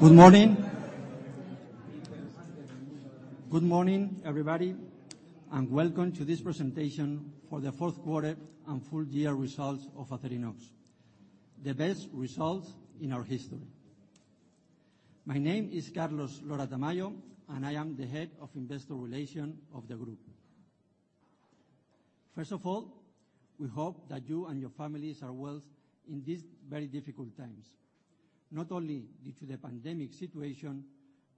Good morning. Good morning, everybody, and welcome to this presentation for the fourth quarter and full year results of Acerinox, the best results in our history. My name is Carlos Lora-Tamayo, and I am the Head of Investor Relations of the group. First of all, we hope that you and your families are well in these very difficult times, not only due to the pandemic situation,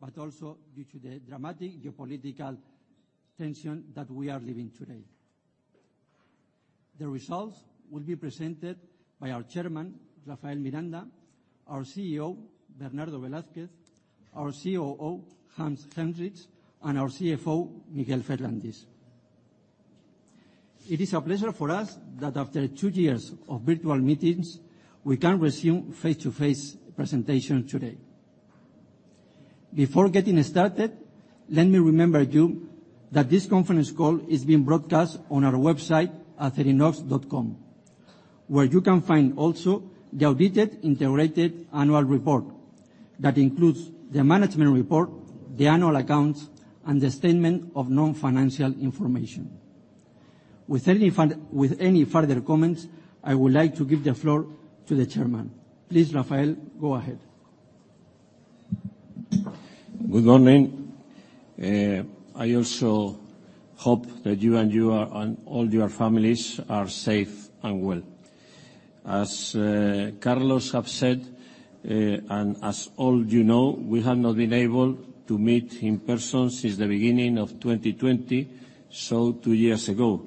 but also due to the dramatic geopolitical tension that we are living today. The results will be presented by our Chairman, Rafael Miranda, our CEO, Bernardo Velázquez, our COO, Hans Helmrich, and our CFO, Miguel Ferrandis. It is a pleasure for us that after two years of virtual meetings, we can resume face-to-face presentation today. Before getting started, let me remind you that this conference call is being broadcast on our website, acerinox.com, where you can find also the audited integrated annual report that includes the management report, the annual accounts, and the statement of non-financial information. With any further comments, I would like to give the floor to the Chairman. Please, Rafael, go ahead. Good morning. I also hope that you and all your families are safe and well. As Carlos has said, and as all of you know, we have not been able to meet in person since the beginning of 2020, so two years ago.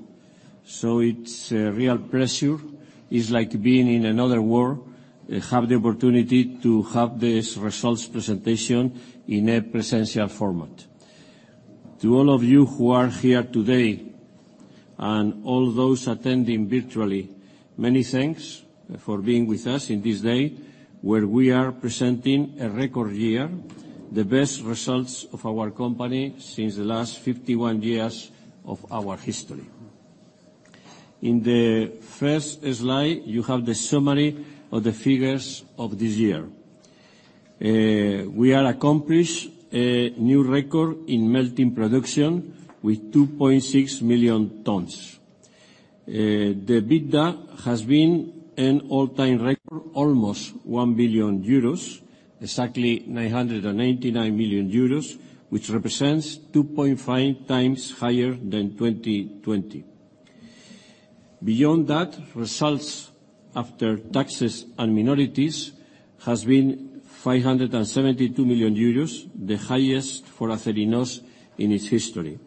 It's a real pleasure. It's like being in another world to have the opportunity to have this results presentation in a presential format. To all of you who are here today and all those attending virtually, many thanks for being with us in this day where we are presenting a record year, the best results of our company since the last 51 years of our history. In the first slide, you have the summary of the figures of this year. We accomplished a new record in melting production with 2.6 million tons. The EBITDA has been an all-time record, almost 1 billion euros, exactly 989 million euros, which represents 2.5 times higher than 2020. Beyond that, results after taxes and minorities has been 572 million euros, the highest for Acerinox in its history.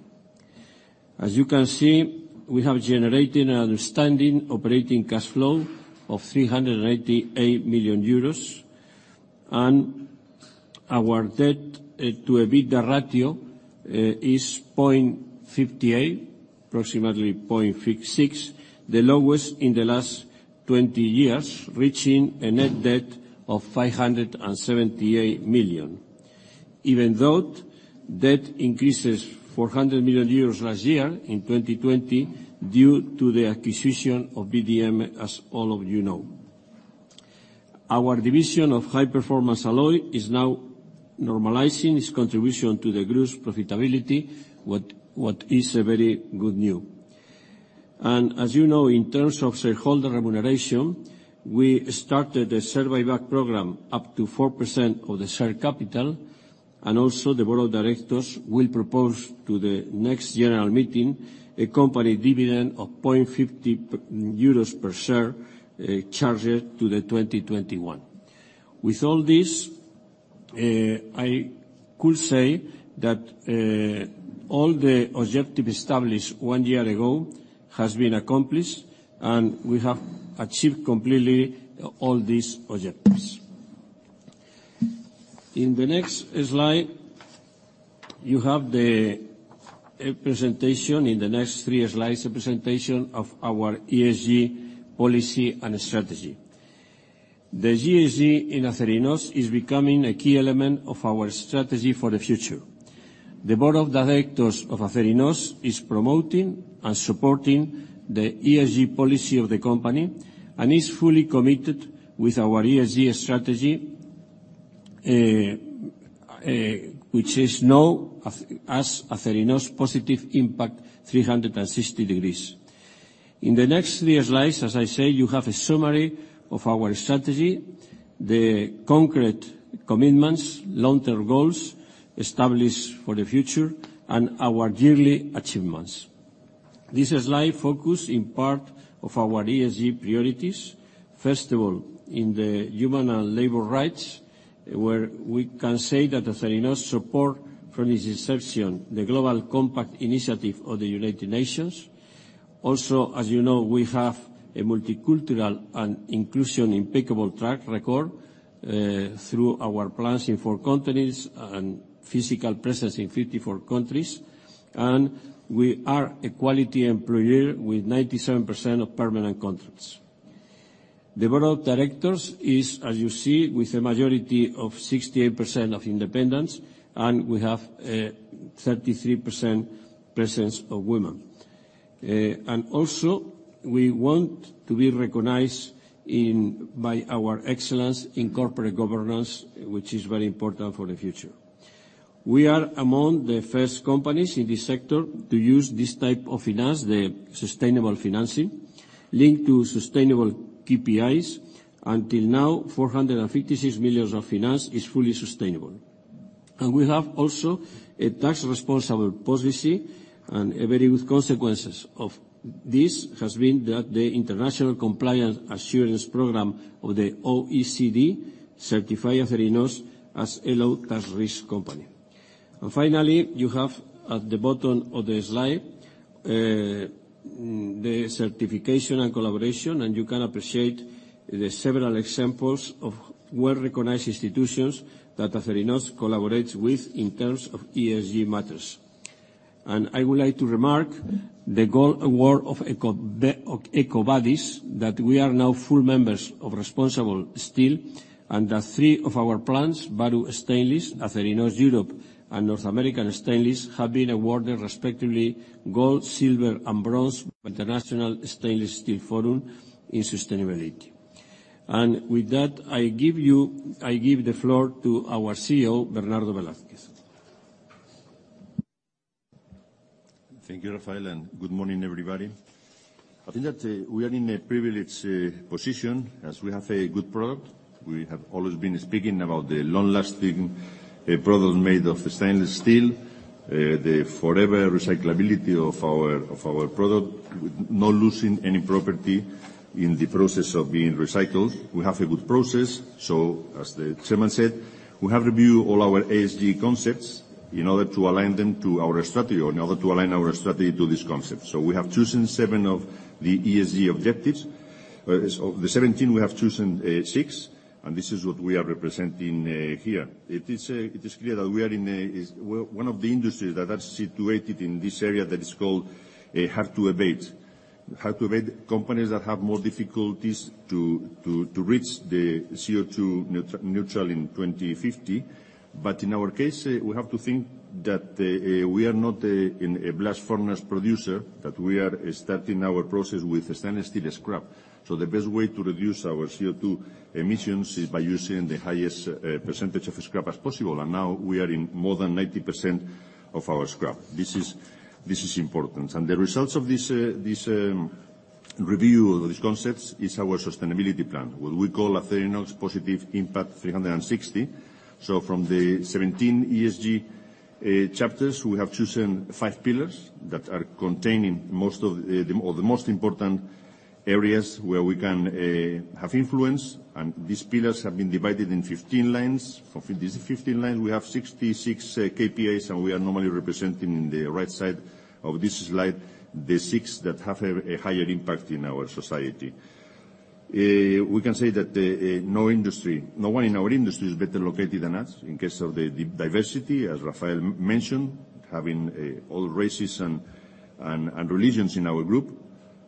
As you can see, we have generated an outstanding operating cash flow of 388 million euros and our debt-to-EBITDA ratio is 0.58, approximately 0.56, the lowest in the last 20 years, reaching a net debt of 578 million. Even though debt increases 400 million euros last year in 2020 due to the acquisition of VDM, as all of you know. Our division of high-performance alloy is now normalizing its contribution to the group's profitability, which is a very good news. As you know, in terms of shareholder remuneration, we started a share buyback program up to 4% of the share capital, and also the board of directors will propose to the next general meeting a company dividend of 0.50 euros per share, charged to 2021. With all this, I could say that all the objectives established one year ago has been accomplished, and we have achieved completely all these objectives. In the next slide, you have the presentation, in the next three slides, a presentation of our ESG policy and strategy. The ESG in Acerinox is becoming a key element of our strategy for the future. The board of directors of Acerinox is promoting and supporting the ESG policy of the company and is fully committed with our ESG strategy, which is now Acerinox Positive Impact 360º. In the next three slides, as I say, you have a summary of our strategy, the concrete commitments, long-term goals established for the future, and our yearly achievements. This slide focus in part of our ESG priorities, first of all, in the human and labor rights, where we can say that Acerinox support from its inception the UN Global Compact. Also, as you know, we have a multicultural and inclusive impeccable track record, through our plants in 4 countries and physical presence in 54 countries. We are a quality employer with 97% of permanent contracts. The board of directors is, as you see, with a majority of 68% of independence, and we have 33% presence of women. We want to be recognized for our excellence in corporate governance, which is very important for the future. We are among the first companies in this sector to use this type of finance, the sustainable financing, linked to sustainable KPIs. Until now, 456 million of financing is fully sustainable. We have also a tax responsible policy, and a very good consequence of this has been that the international compliance assurance program of the OECD certified Acerinox as a low tax risk company. Finally, you have at the bottom of the slide the certification and collaboration, and you can appreciate the several examples of world-recognized institutions that Acerinox collaborates with in terms of ESG matters. I would like to remark the gold award of EcoVadis that we are now full members of ResponsibleSteel, and that three of our plants, Bahru Stainless, Acerinox Europa, and North American Stainless, have been awarded respectively gold, silver, and bronze by the International Stainless Steel Forum in sustainability. With that, I give the floor to our CEO, Bernardo Velázquez. Thank you, Rafael, and good morning everybody. I think that we are in a privileged position as we have a good product. We have always been speaking about the long-lasting product made of stainless steel, the forever recyclability of our product with no losing any property in the process of being recycled. We have a good process, so as the Chairman said, we have reviewed all our ESG concepts in order to align them to our strategy, or in order to align our strategy to this concept. We have chosen seven of the ESG objectives. Of the 17 we have chosen six, and this is what we are representing here. It is clear that we are in one of the industries that are situated in this area that is called hard to abate. Hard to abate companies that have more difficulties to reach the CO2 neutral in 2050. In our case, we have to think that we are not a blast furnace producer, that we are starting our process with stainless steel scrap. The best way to reduce our CO2 emissions is by using the highest percentage of scrap as possible. Now we are in more than 90% of our scrap. This is important. The results of this review of these concepts is our sustainability plan, what we call Acerinox Positive Impact 360º. From the 17 ESG chapters, we have chosen five pillars that are containing most of the most important areas where we can have influence. These pillars have been divided in 15 lines. For this 15 lines, we have 66 KPIs, and we are normally representing in the right side of this slide the six that have a higher impact in our society. We can say that no one in our industry is better located than us in case of the diversity, as Rafael mentioned, having all races and religions in our group.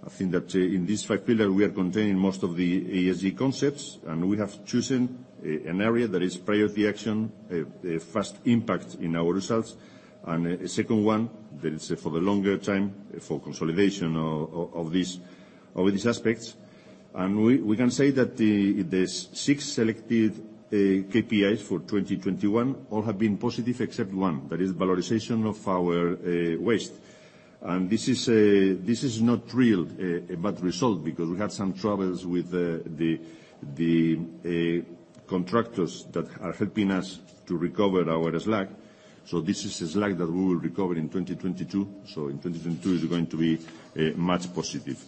I think that in this five pillar, we are containing most of the ESG concepts and we have chosen an area that is priority action, a fast impact in our results. A second one that is for the longer time for consolidation of these aspects. We can say that the six selected KPIs for 2021 all have been positive except one. That is valorization of our waste. This is not really a bad result because we had some troubles with the contractors that are helping us to recover our slack. This is a slack that we will recover in 2022. In 2022, it's going to be much positive.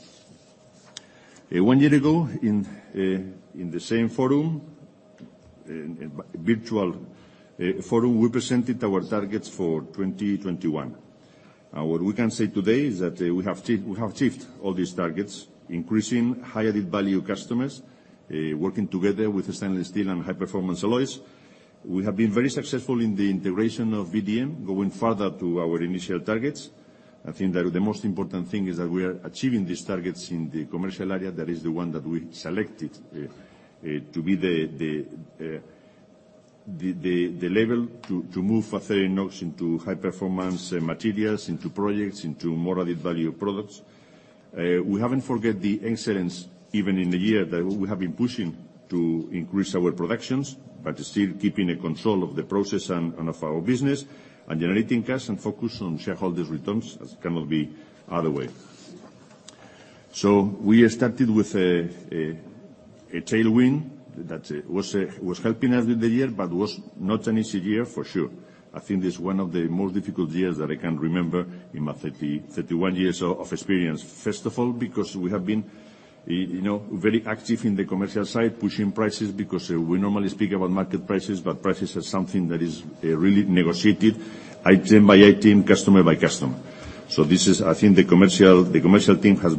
One year ago in the same virtual forum, we presented our targets for 2021. Now what we can say today is that we have achieved all these targets, increasing high added value customers, working together with stainless steel and high performance alloys. We have been very successful in the integration of VDM, going further to our initial targets. I think that the most important thing is that we are achieving these targets in the commercial area. That is the one that we selected to be the level to move Acerinox into high performance materials, into projects, into more added value products. We haven't forget the excellence even in the year that we have been pushing to increase our productions, but still keeping a control of the process and of our business, and generating cash and focus on shareholders' returns as cannot be other way. We started with a tailwind that was helping us with the year, but was not an easy year for sure. I think this is one of the most difficult years that I can remember in my 31 years of experience. First of all, because we have been, you know, very active in the commercial side, pushing prices because we normally speak about market prices, but prices are something that is really negotiated item by item, customer by customer. So this is. I think the commercial team has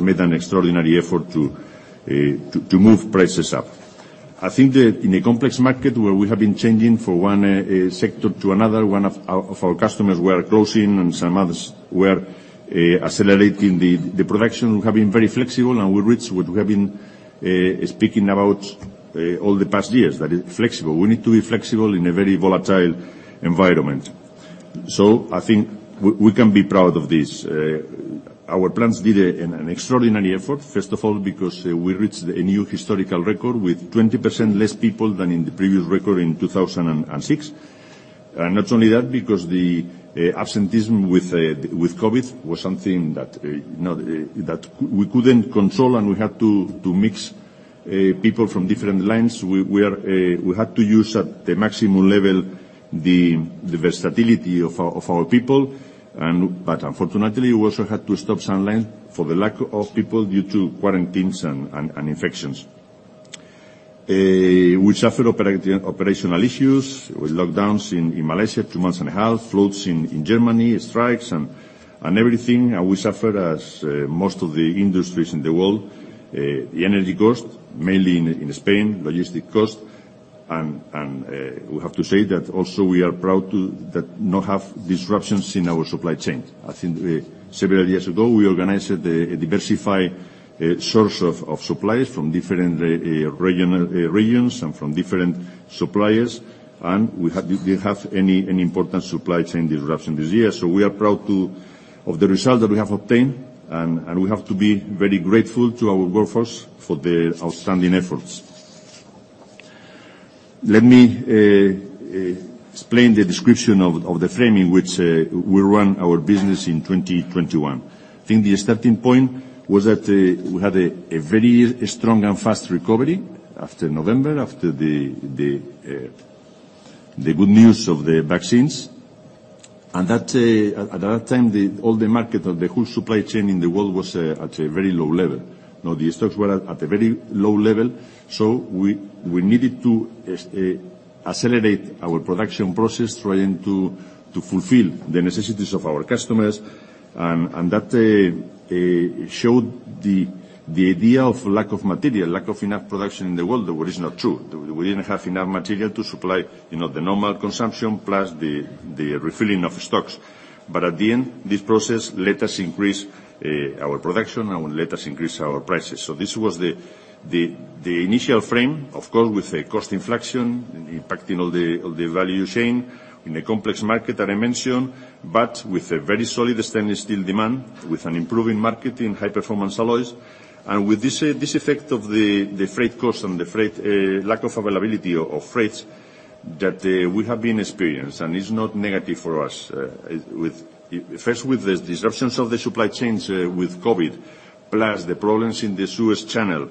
made an extraordinary effort to move prices up. I think that in a complex market where we have been changing from one sector to another, one of our customers were closing and some others were accelerating the production. We have been very flexible and we reached what we have been speaking about all the past years, that is flexible. We need to be flexible in a very volatile environment. So I think we can be proud of this. Our teams did an extraordinary effort. First of all, because we reached a new historical record with 20% less people than in the previous record in 2006. Not only that, because the absenteeism with COVID was something that you know that we couldn't control, and we had to mix people from different lines. We had to use at the maximum level the versatility of our people, but unfortunately, we also had to stop some line for the lack of people due to quarantines and infections. We suffered operational issues with lockdowns in Malaysia 2 months and a half, floods in Germany, strikes and everything. We suffered as most of the industries in the world, the energy cost, mainly in Spain, logistics cost and we have to say that also we are proud that not have disruptions in our supply chain. I think several years ago, we organized a diversified source of suppliers from different regions and from different suppliers. We didn't have any important supply chain disruption this year. We are proud of the result that we have obtained. We have to be very grateful to our workforce for their outstanding efforts. Let me explain the description of the framework which we run our business in 2021. I think the starting point was that we had a very strong and fast recovery after November, after the good news of the vaccines. That, at that time, all the market of the whole supply chain in the world was at a very low level. You know, the stocks were at a very low level, so we needed to accelerate our production process trying to fulfill the necessities of our customers. That showed the idea of lack of material, lack of enough production in the world, what is not true. We didn't have enough material to supply, you know, the normal consumption plus the refilling of stocks. At the end, this process let us increase our production and let us increase our prices. This was the initial frame, of course, with a cost inflation impacting all the value chain in a complex market that I mentioned, but with a very solid stainless steel demand, with an improving market in high-performance alloys. With this effect of the freight cost and the lack of availability of freights that we have been experiencing, and it's not negative for us. With the disruptions of the supply chains with COVID, plus the problems in the Suez Canal,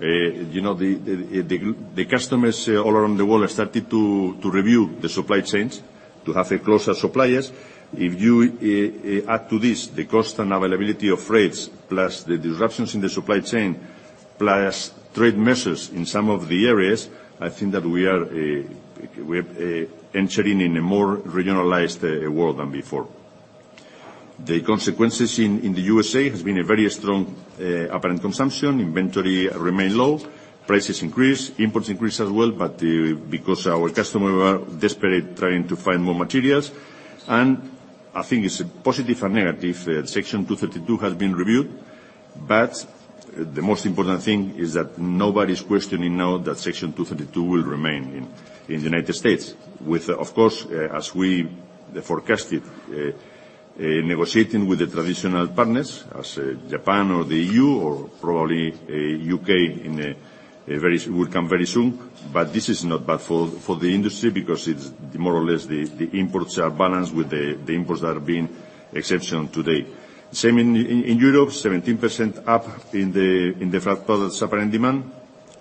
you know, the customers all around the world started to review the supply chains to have closer suppliers. If you add to this the cost and availability of freights, plus the disruptions in the supply chain, plus trade measures in some of the areas, I think that we are entering in a more regionalized world than before. The consequences in the U.S. has been a very strong apparent consumption. Inventory remain low. Prices increase. Imports increase as well, but because our customers are desperate trying to find more materials. I think it's positive and negative. Section 232 has been reviewed, but the most important thing is that nobody's questioning now that Section 232 will remain in the United States. With, of course, as we forecasted, negotiating with the traditional partners, as Japan or the EU or probably U.K. will come very soon. This is not bad for the industry because it's more or less the imports are balanced with the imports that are being exempted today. Same in Europe, 17% up in the flat products apparent demand.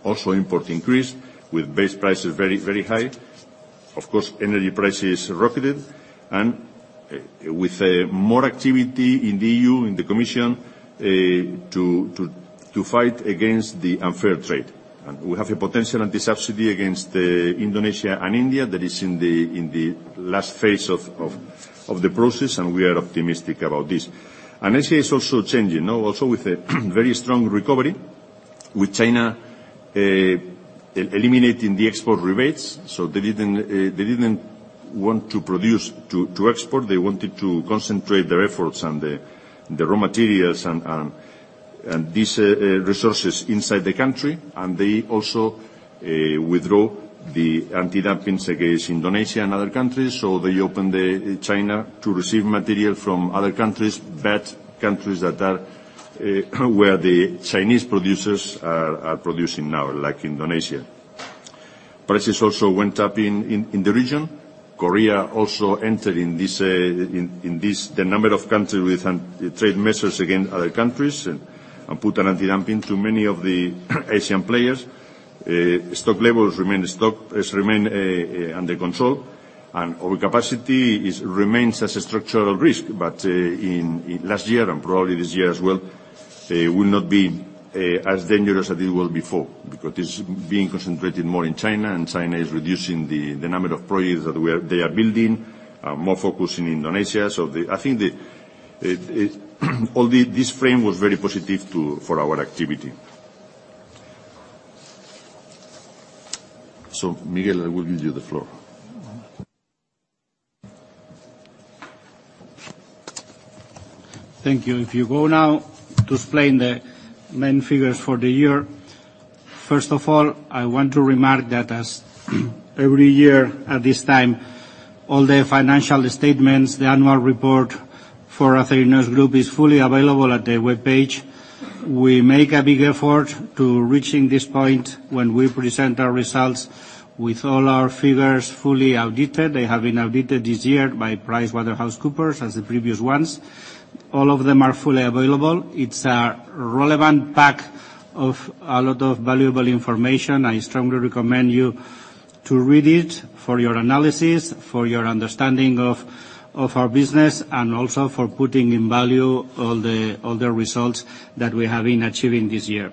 Also imports increased with base prices very, very high. Of course, energy prices rocketed. With more activity in the EU Commission to fight against the unfair trade. We have a potential anti-subsidy against Indonesia and India that is in the last phase of the process, and we are optimistic about this. Asia is also changing, you know, also with a very strong recovery with China eliminating the export rebates. They didn't want to produce to export. They wanted to concentrate their efforts on the raw materials and these resources inside the country. They also withdrew the anti-dumping against Indonesia and other countries. They opened China to receive material from other countries, but countries where the Chinese producers are producing now, like Indonesia. Prices also went up in the region. Korea also entered into this, the number of countries with trade measures against other countries, and put an anti-dumping to many of the Asian players. Stock levels remain under control. Overcapacity remains as a structural risk. In last year and probably this year as well will not be as dangerous as it was before, because it's being concentrated more in China and China is reducing the number of projects that they are building, more focused in Indonesia. I think this frame was very positive for our activity. Miguel, I will give you the floor. Thank you. If you go now to explain the main figures for the year. First of all, I want to remark that as every year at this time, all the financial statements, the annual report for Acerinox Group is fully available at the webpage. We make a big effort to reaching this point when we present our results with all our figures fully audited. They have been audited this year by PricewaterhouseCoopers as the previous ones. All of them are fully available. It's a relevant pack of a lot of valuable information. I strongly recommend you to read it for your analysis, for your understanding of our business, and also for putting in value all the results that we have been achieving this year.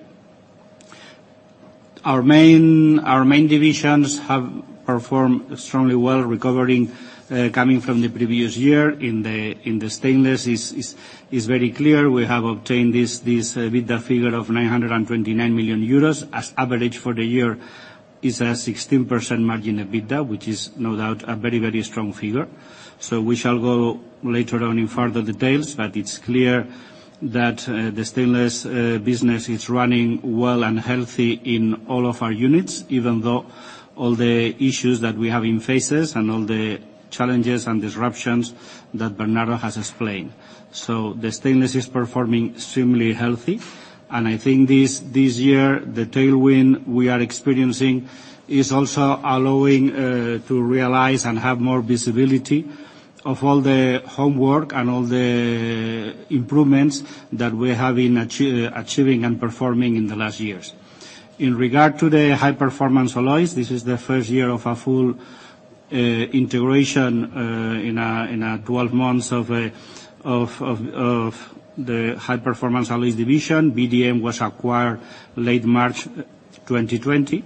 Our main divisions have performed extremely well, recovering, coming from the previous year. In the stainless is very clear. We have obtained this EBITDA figure of 929 million euros. As average for the year is a 16% EBITDA margin, which is no doubt a very, very strong figure. We shall go later on in further details, but it's clear that the stainless business is running well and healthy in all of our units, even though all the issues that we have been facing and all the challenges and disruptions that Bernardo has explained. The stainless is performing extremely healthy. I think this year, the tailwind we are experiencing is also allowing to realize and have more visibility of all the homework and all the improvements that we have been achieving and performing in the last years. In regard to the high performance alloys, this is the first year of a full integration in twelve months of the high performance alloys division. VDM was acquired late March 2020.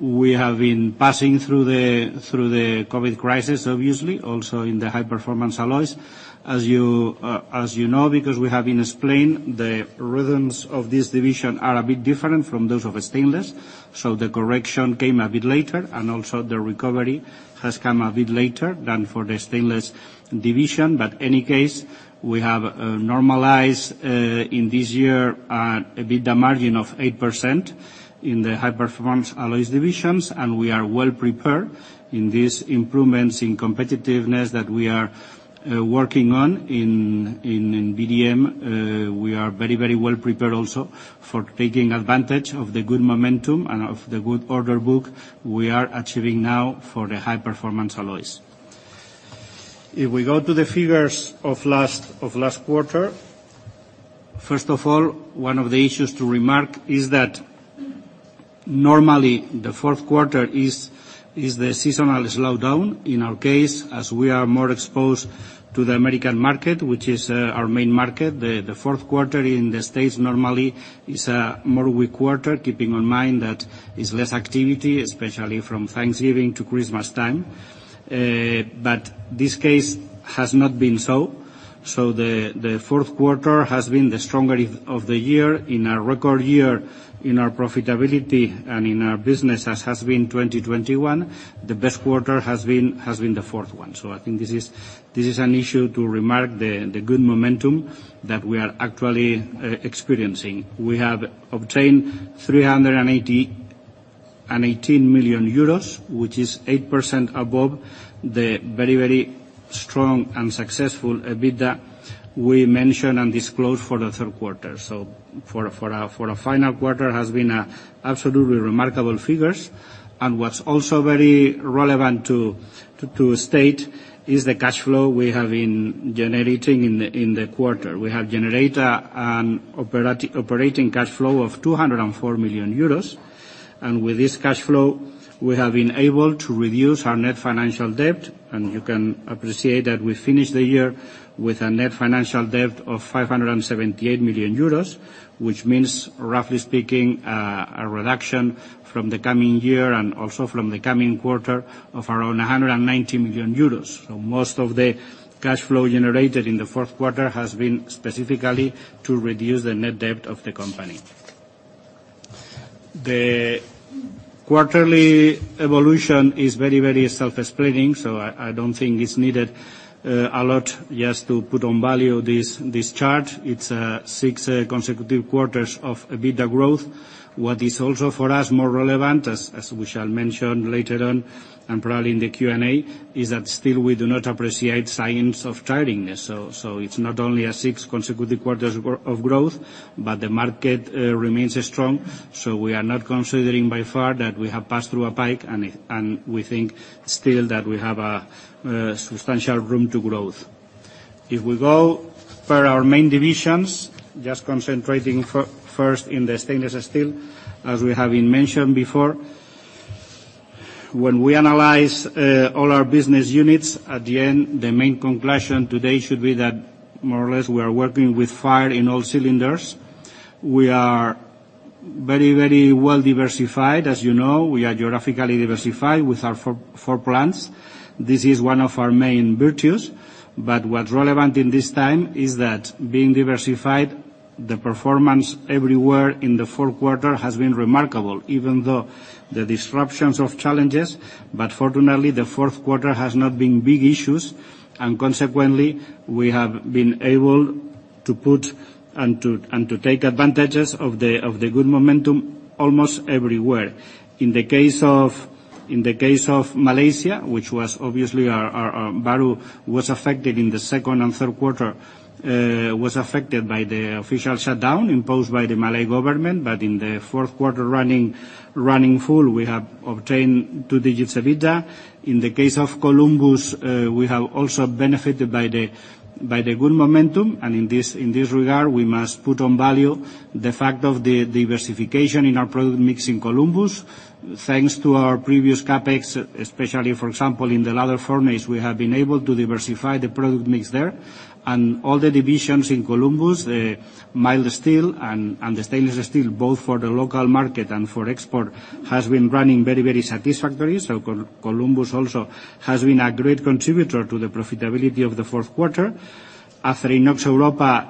We have been passing through the COVID crisis, obviously, also in the high performance alloys. As you know, because we have explained, the rhythms of this division are a bit different from those of stainless. The correction came a bit later, and also the recovery has come a bit later than for the stainless division. In any case, we have normalized in this year EBITDA margin of 8% in the high performance alloys division, and we are well prepared in these improvements in competitiveness that we are working on in VDM. We are very, very well prepared also for taking advantage of the good momentum and of the good order book we are achieving now for the high-performance alloys. If we go to the figures of last quarter, first of all, one of the issues to remark is that normally the fourth quarter is the seasonal slowdown. In our case, as we are more exposed to the American market, which is our main market. The fourth quarter in the States normally is a more weak quarter, keeping in mind that it's less activity, especially from Thanksgiving to Christmas time. This case has not been so. The fourth quarter has been the strongest of the year in a record year in our profitability and in our business as has been 2021. The best quarter has been the fourth one. I think this is an issue to remark the good momentum that we are actually experiencing. We have obtained 388 million euros, which is 8% above the very, very strong and successful EBITDA we mentioned and disclosed for the third quarter. For a final quarter has been absolutely remarkable figures. What's also very relevant to state is the cash flow we have been generating in the quarter. We have generate an operating cash flow of 204 million euros. With this cash flow, we have been able to reduce our net financial debt. You can appreciate that we finished the year with a net financial debt of 578 million euros, which means, roughly speaking, a reduction from the coming year and also from the coming quarter of around 190 million euros. Most of the cash flow generated in the fourth quarter has been specifically to reduce the net debt of the company. The quarterly evolution is very, very self-explaining, so I don't think it's needed a lot just to put on value this chart. It's 6 consecutive quarters of EBITDA growth. What is also for us more relevant, as we shall mention later on and probably in the Q&A, is that still we do not appreciate signs of tiredness. It's not only 6 consecutive quarters of growth, but the market remains strong. We are not considering by far that we have passed through a peak and we think still that we have a substantial room for growth. If we go for our main divisions, just concentrating first in the stainless steel, as we have mentioned before, when we analyze all our business units, at the end, the main conclusion today should be that more or less we are working with firing on all cylinders. We are very well diversified. As you know, we are geographically diversified with our four plants. This is one of our main virtues. What's relevant at this time is that being diversified, the performance everywhere in the fourth quarter has been remarkable, even though the disruptions and challenges. Fortunately, the fourth quarter has not had big issues. Consequently, we have been able to take advantage of the good momentum almost everywhere. In the case of Malaysia, which was obviously our Bahru, was affected in the second and third quarter by the official shutdown imposed by the Malaysian government. In the fourth quarter running full, we have obtained double-digit EBITDA. In the case of Columbus, we have also benefited by the good momentum. In this regard, we must put value on the fact of the diversification in our product mix in Columbus. Thanks to our previous CapEx, especially for example, in the ladle furnace, we have been able to diversify the product mix there. All the divisions in Columbus, the mild steel and the stainless steel, both for the local market and for export, has been running very, very satisfactory. Columbus also has been a great contributor to the profitability of the fourth quarter. After Acerinox Europa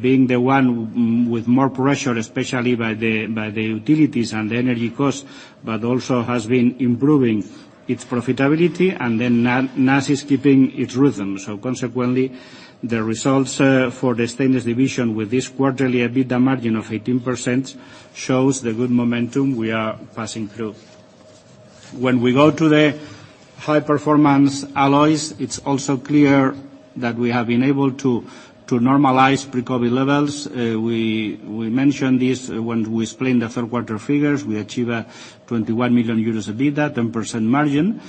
being the one with more pressure, especially by the utilities and the energy costs, but also has been improving its profitability, and then NAS is keeping its rhythm. Consequently, the results for the Stainless division with this quarterly EBITDA margin of 18% shows the good momentum we are passing through. When we go to the high-performance alloys, it's also clear that we have been able to normalize pre-COVID levels. We mentioned this when we explained the third quarter figures. We achieved a 21 million euros EBITDA, 10% margin.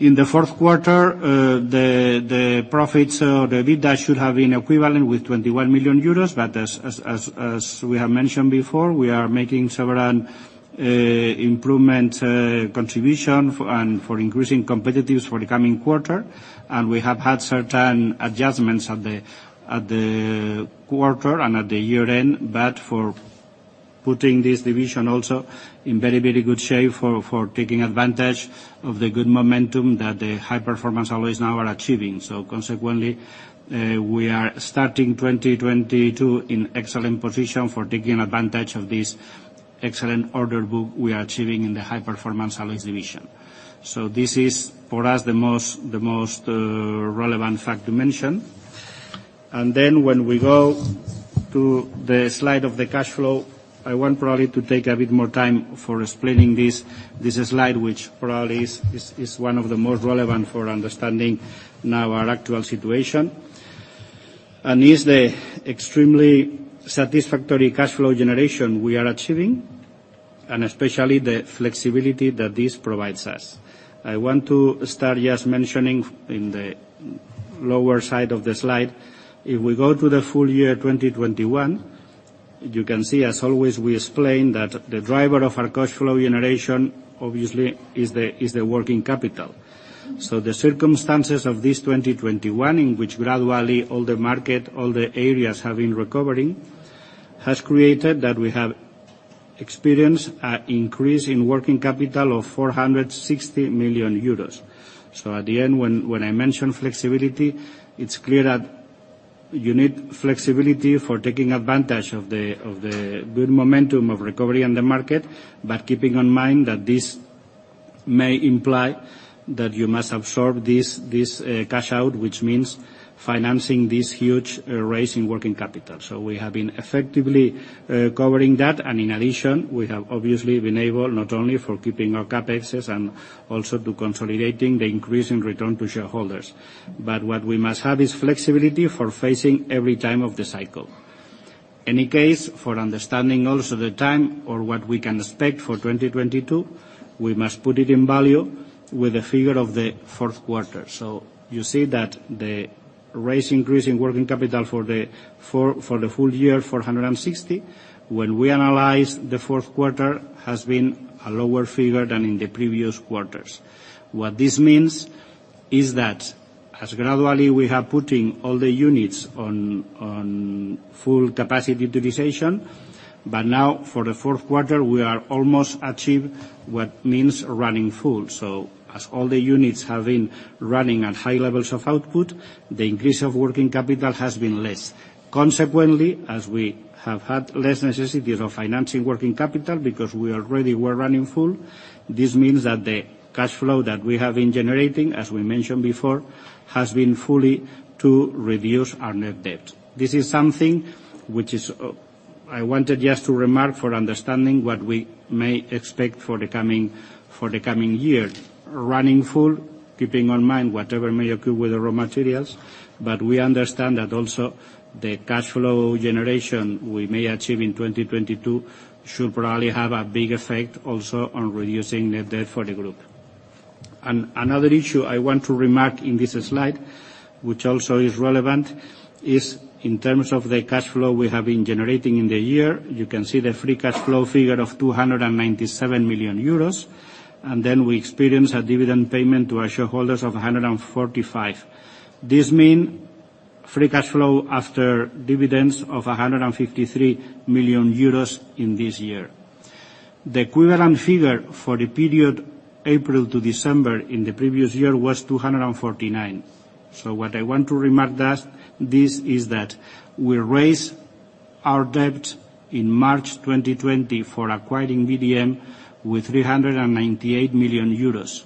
In the fourth quarter, the profits or the EBITDA should have been equivalent with 21 million euros. As we have mentioned before, we are making several improvements and contributions for increasing competitiveness for the coming quarter. We have had certain adjustments at the quarter and at the year-end, but for putting this division also in very good shape for taking advantage of the good momentum that the High-Performance Alloys now are achieving. Consequently, we are starting 2022 in excellent position for taking advantage of this excellent order book we are achieving in the High-Performance Alloys division. This is for us the most relevant fact to mention. When we go to the slide of the cash flow, I want probably to take a bit more time for explaining this slide which probably is one of the most relevant for understanding now our actual situation and is the extremely satisfactory cash flow generation we are achieving, and especially the flexibility that this provides us. I want to start just mentioning in the lower side of the slide. If we go to the full year 2021, you can see as always we explain that the driver of our cash flow generation obviously is the working capital. The circumstances of this 2021 in which gradually all the market, all the areas have been recovering, has created that we have experienced an increase in working capital of 460 million euros. At the end when I mention flexibility, it's clear that you need flexibility for taking advantage of the good momentum of recovery in the market, but keeping in mind that this may imply that you must absorb this cash out, which means financing this huge raise in working capital. We have been effectively covering that. In addition, we have obviously been able not only for keeping our CapEx and also to consolidating the increase in return to shareholders. What we must have is flexibility for facing every time of the cycle. In any case, for understanding also the time or what we can expect for 2022, we must put it in value with the figure of the fourth quarter. You see that the rise in working capital for the full year, 460, when we analyze the fourth quarter, has been a lower figure than in the previous quarters. What this means is that as gradually we have putting all the units on full capacity utilization, but now for the fourth quarter, we are almost achieve what means running full. As all the units have been running at high levels of output, the increase of working capital has been less. Consequently, as we have had less necessities of financing working capital because we already were running full, this means that the cash flow that we have been generating, as we mentioned before, has been fully to reduce our net debt. This is something which I wanted just to remark for understanding what we may expect for the coming year. Running full, keeping in mind whatever may occur with the raw materials. We understand that also the cash flow generation we may achieve in 2022 should probably have a big effect also on reducing net debt for the group. Another issue I want to remark in this slide, which also is relevant, is in terms of the cash flow we have been generating in the year. You can see the free cash flow figure of 297 million euros, and then we experience a dividend payment to our shareholders of 145 million. This means free cash flow after dividends of 153 million euros in this year. The equivalent figure for the period April to December in the previous year was 249. What I want to remark is that we raised our debt in March 2020 for acquiring VDM with 398 million euros.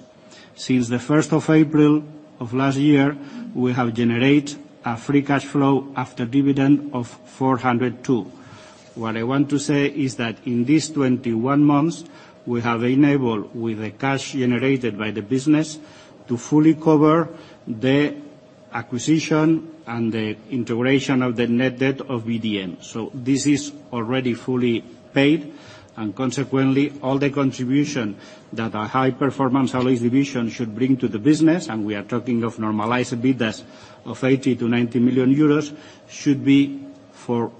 Since the first of April of last year, we have generated a free cash flow after dividend of 402 million. What I want to say is that in these 21 months, we have been able with the cash generated by the business to fully cover the acquisition and the integration of the net debt of VDM. This is already fully paid and consequently all the contribution that our High-Performance Alloys division should bring to the business, and we are talking of normalized EBITDA of 80 million-90 million euros should be for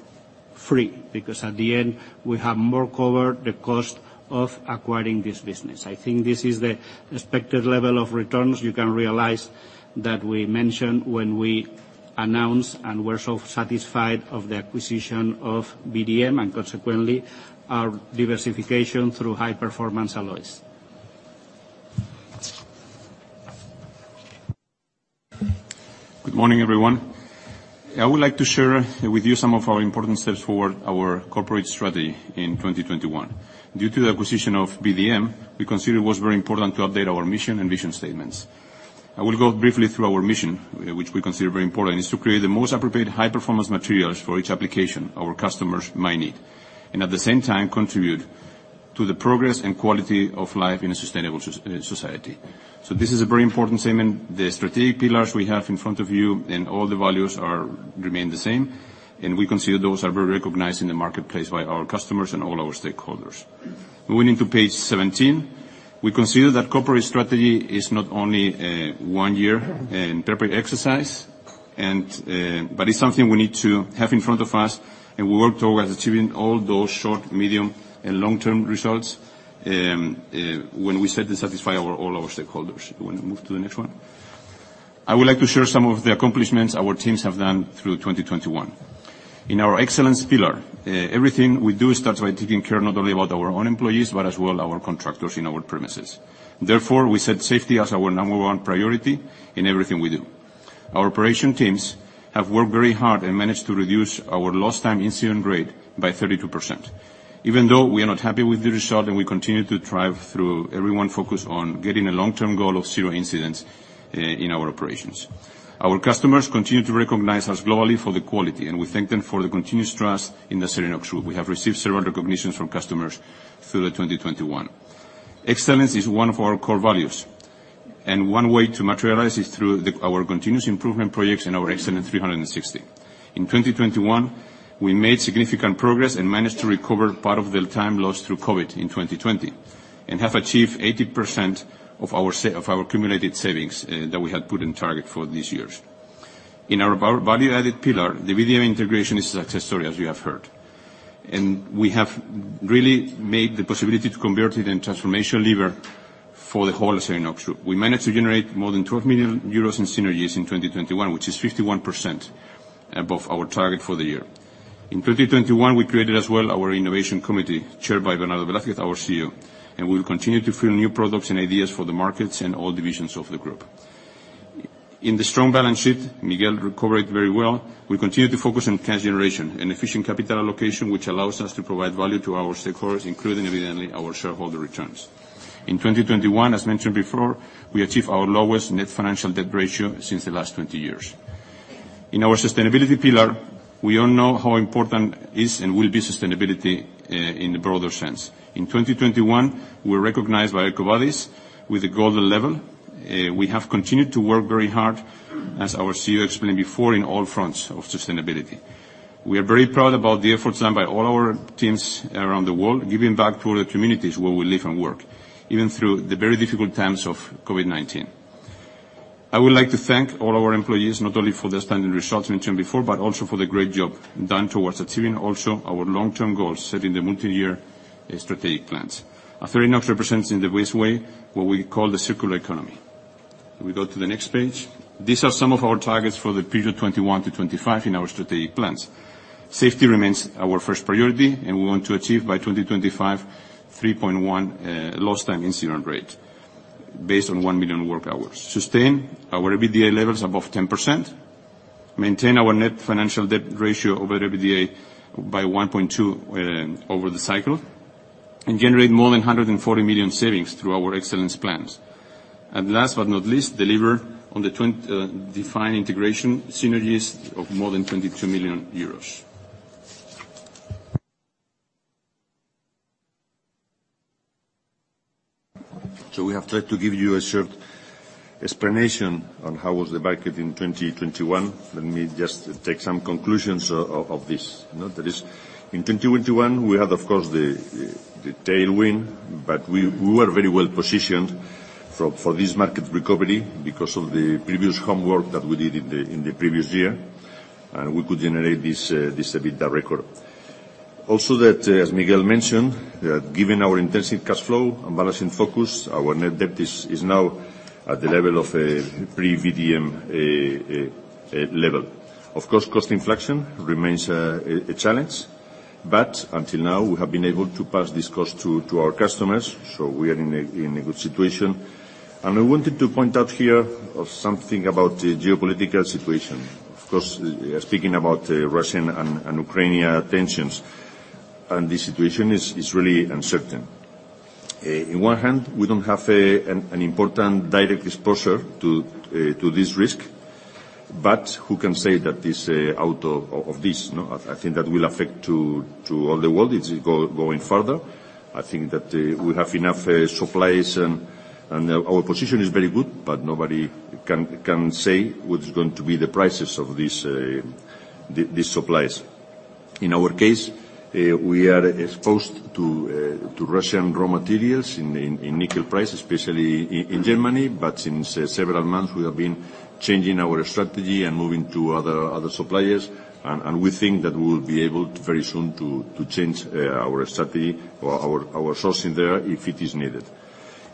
free because at the end we have more than covered the cost of acquiring this business. I think this is the expected level of returns you can realize that we mentioned when we announced and were so satisfied of the acquisition of VDM and consequently our diversification through High-Performance Alloys. Good morning, everyone. I would like to share with you some of our important steps forward in our corporate strategy in 2021. Due to the acquisition of VDM, we considered it was very important to update our mission and vision statements. I will go briefly through our mission which we consider very important. It's to create the most appropriate high performance materials for each application our customers might need and at the same time contribute to the progress and quality of life in a sustainable society. This is a very important statement. The strategic pillars we have in front of you and all the values remain the same and we consider those are very recognized in the marketplace by our customers and all our stakeholders. Moving to page 17. We consider that corporate strategy is not only a one-year planning exercise, but it's something we need to have in front of us and we work towards achieving all those short-, medium-, and long-term results when we set out to satisfy all our stakeholders. You want to move to the next one? I would like to share some of the accomplishments our teams have done through 2021. In our excellence pillar, everything we do starts by taking care not only about our own employees but as well our contractors in our premises. Therefore we set safety as our number one priority in everything we do. Our operation teams have worked very hard and managed to reduce our lost time incident rate by 32%. Even though we are not happy with the result and we continue to drive through everyone focused on getting a long-term goal of zero incidents in our operations. Our customers continue to recognize us globally for the quality and we thank them for the continuous trust in the Acerinox Group. We have received several recognitions from customers through 2021. Excellence is one of our core values and one way to materialize is through our continuous improvement projects and our Excellence 360. In 2021 we made significant progress and managed to recover part of the time lost through COVID-19 in 2020 and have achieved 80% of our accumulated savings that we had put in target for these years. In our value-added pillar, the VDM integration is a success story as you have heard and we have really made the possibility to convert it in transformation lever for the whole Acerinox Group. We managed to generate more than 12 million euros in synergies in 2021 which is 51% above our target for the year. In 2021 we created as well our innovation committee chaired by Bernardo Velázquez, our CEO, and we will continue to fill new products and ideas for the markets and all divisions of the group. In the strong balance sheet, Miguel recovered very well. We continue to focus on cash generation and efficient capital allocation which allows us to provide value to our stakeholders including evidently our shareholder returns. In 2021 as mentioned before we achieved our lowest net financial debt ratio since the last 20 years. In our sustainability pillar we all know how important is and will be sustainability in the broader sense. In 2021 we were recognized by EcoVadis with the golden level. We have continued to work very hard as our CEO explained before in all fronts of sustainability. We are very proud about the efforts done by all our teams around the world giving back to the communities where we live and work even through the very difficult times of COVID-19. I would like to thank all our employees not only for the outstanding results mentioned before but also for the great job done towards achieving also our long-term goals set in the multi-year strategic plans. Acerinox represents in the best way what we call the circular economy. Can we go to the next page? These are some of our targets for the period 2021-2025 in our strategic plans. Safety remains our first priority and we want to achieve by 2025 3.1 lost time incident rate based on 1 million work hours. Sustain our EBITDA levels above 10%. Maintain our net financial debt ratio over EBITDA by 1.2 over the cycle and generate more than 140 million savings through our excellence plans and last but not least deliver on the defined integration synergies of more than 22 million euros. We have tried to give you a short explanation on how was the market in 2021. Let me just take some conclusions of this. You know that in 2021 we had of course the tailwind but we were very well positioned for this market recovery because of the previous homework that we did in the previous year and we could generate this EBITDA record. Also, as Miguel mentioned, given our intense cash flow and balance sheet focus our net debt is now at the level of a pre-VDM level. Of course cost inflation remains a challenge but until now we have been able to pass this cost to our customers. We are in a good situation and I wanted to point out here of something about the geopolitical situation. Of course speaking about Russian and Ukrainian tensions. The situation is really uncertain. On one hand, we don't have an important direct exposure to this risk, but who can say that this out of this, you know? I think that will affect to all the world. It's going further. I think that we have enough supplies and our position is very good, but nobody can say what is going to be the prices of these supplies. In our case, we are exposed to Russian raw materials in nickel prices, especially in Germany. But since several months, we have been changing our strategy and moving to other suppliers. And we think that we will be able very soon to change our strategy or our sourcing there if it is needed.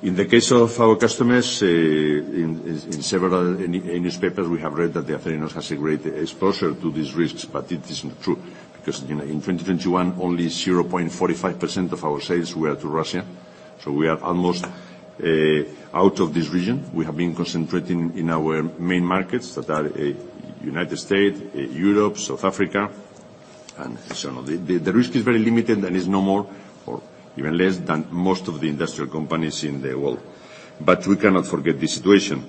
In the case of our customers, in several newspapers, we have read that the Acerinox has a great exposure to these risks, but it isn't true. Because, you know, in 2021, only 0.45% of our sales were to Russia. We are almost out of this region. We have been concentrating in our main markets that are United States, Europe, South Africa, and so on. The risk is very limited and is no more or even less than most of the industrial companies in the world. We cannot forget the situation.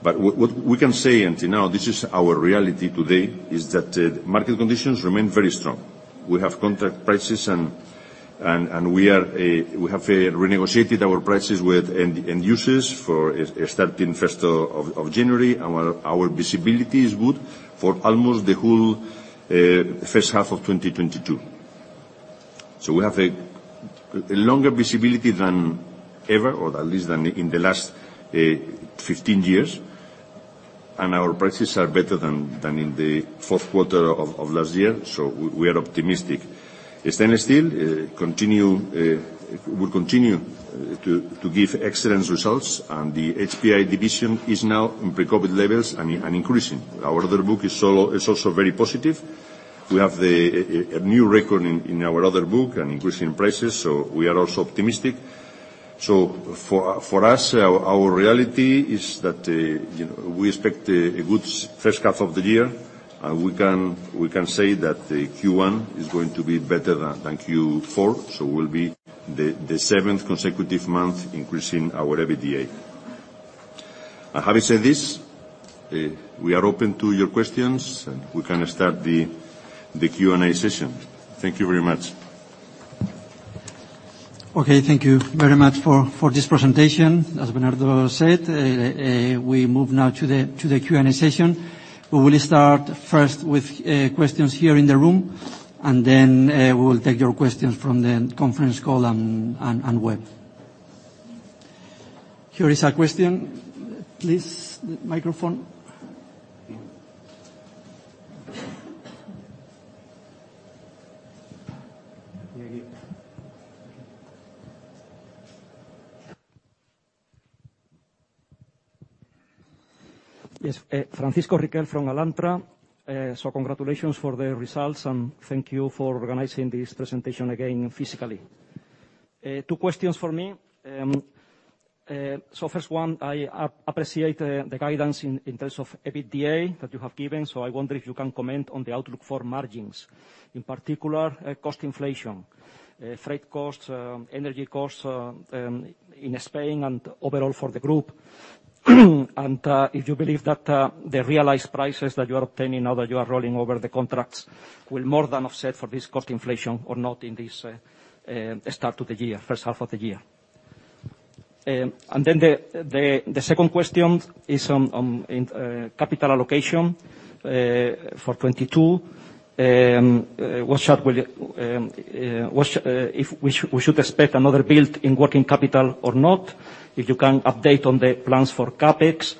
What we can say until now, this is our reality today, is that market conditions remain very strong. We have contract prices and we have renegotiated our prices with end users for starting first of January. Our visibility is good for almost the whole first half of 2022. We have a longer visibility than ever or at least than in the last 15 years, and our prices are better than in the fourth quarter of last year. We are optimistic. Stainless steel will continue to give excellent results. The HPA division is now in pre-COVID levels and increasing. Our order book is also very positive. We have a new record in our order book and increasing prices, so we are also optimistic. For us, our reality is that, you know, we expect a good first half of the year. We can say that Q1 is going to be better than Q4, so it will be the seventh consecutive month increasing our EBITDA. Having said this, we are open to your questions, and we can start the Q&A session. Thank you very much. Okay, thank you very much for this presentation. As Bernardo said, we move now to the Q&A session. We will start first with questions here in the room, and then we will take your questions from the conference call and web. Here is a question. Please, microphone. Yes. Francisco Riquel from Alantra. Congratulations for the results, and thank you for organizing this presentation again physically. Two questions for me. First one, I appreciate the guidance in terms of EBITDA that you have given. I wonder if you can comment on the outlook for margins, in particular, cost inflation, freight costs, energy costs in Spain and overall for the group. If you believe that the realized prices that you are obtaining now that you are rolling over the contracts will more than offset this cost inflation or not in this start to the year, first half of the year. The second question is in capital allocation for 2022. Should we expect another build in working capital or not? If you can update on the plans for CapEx.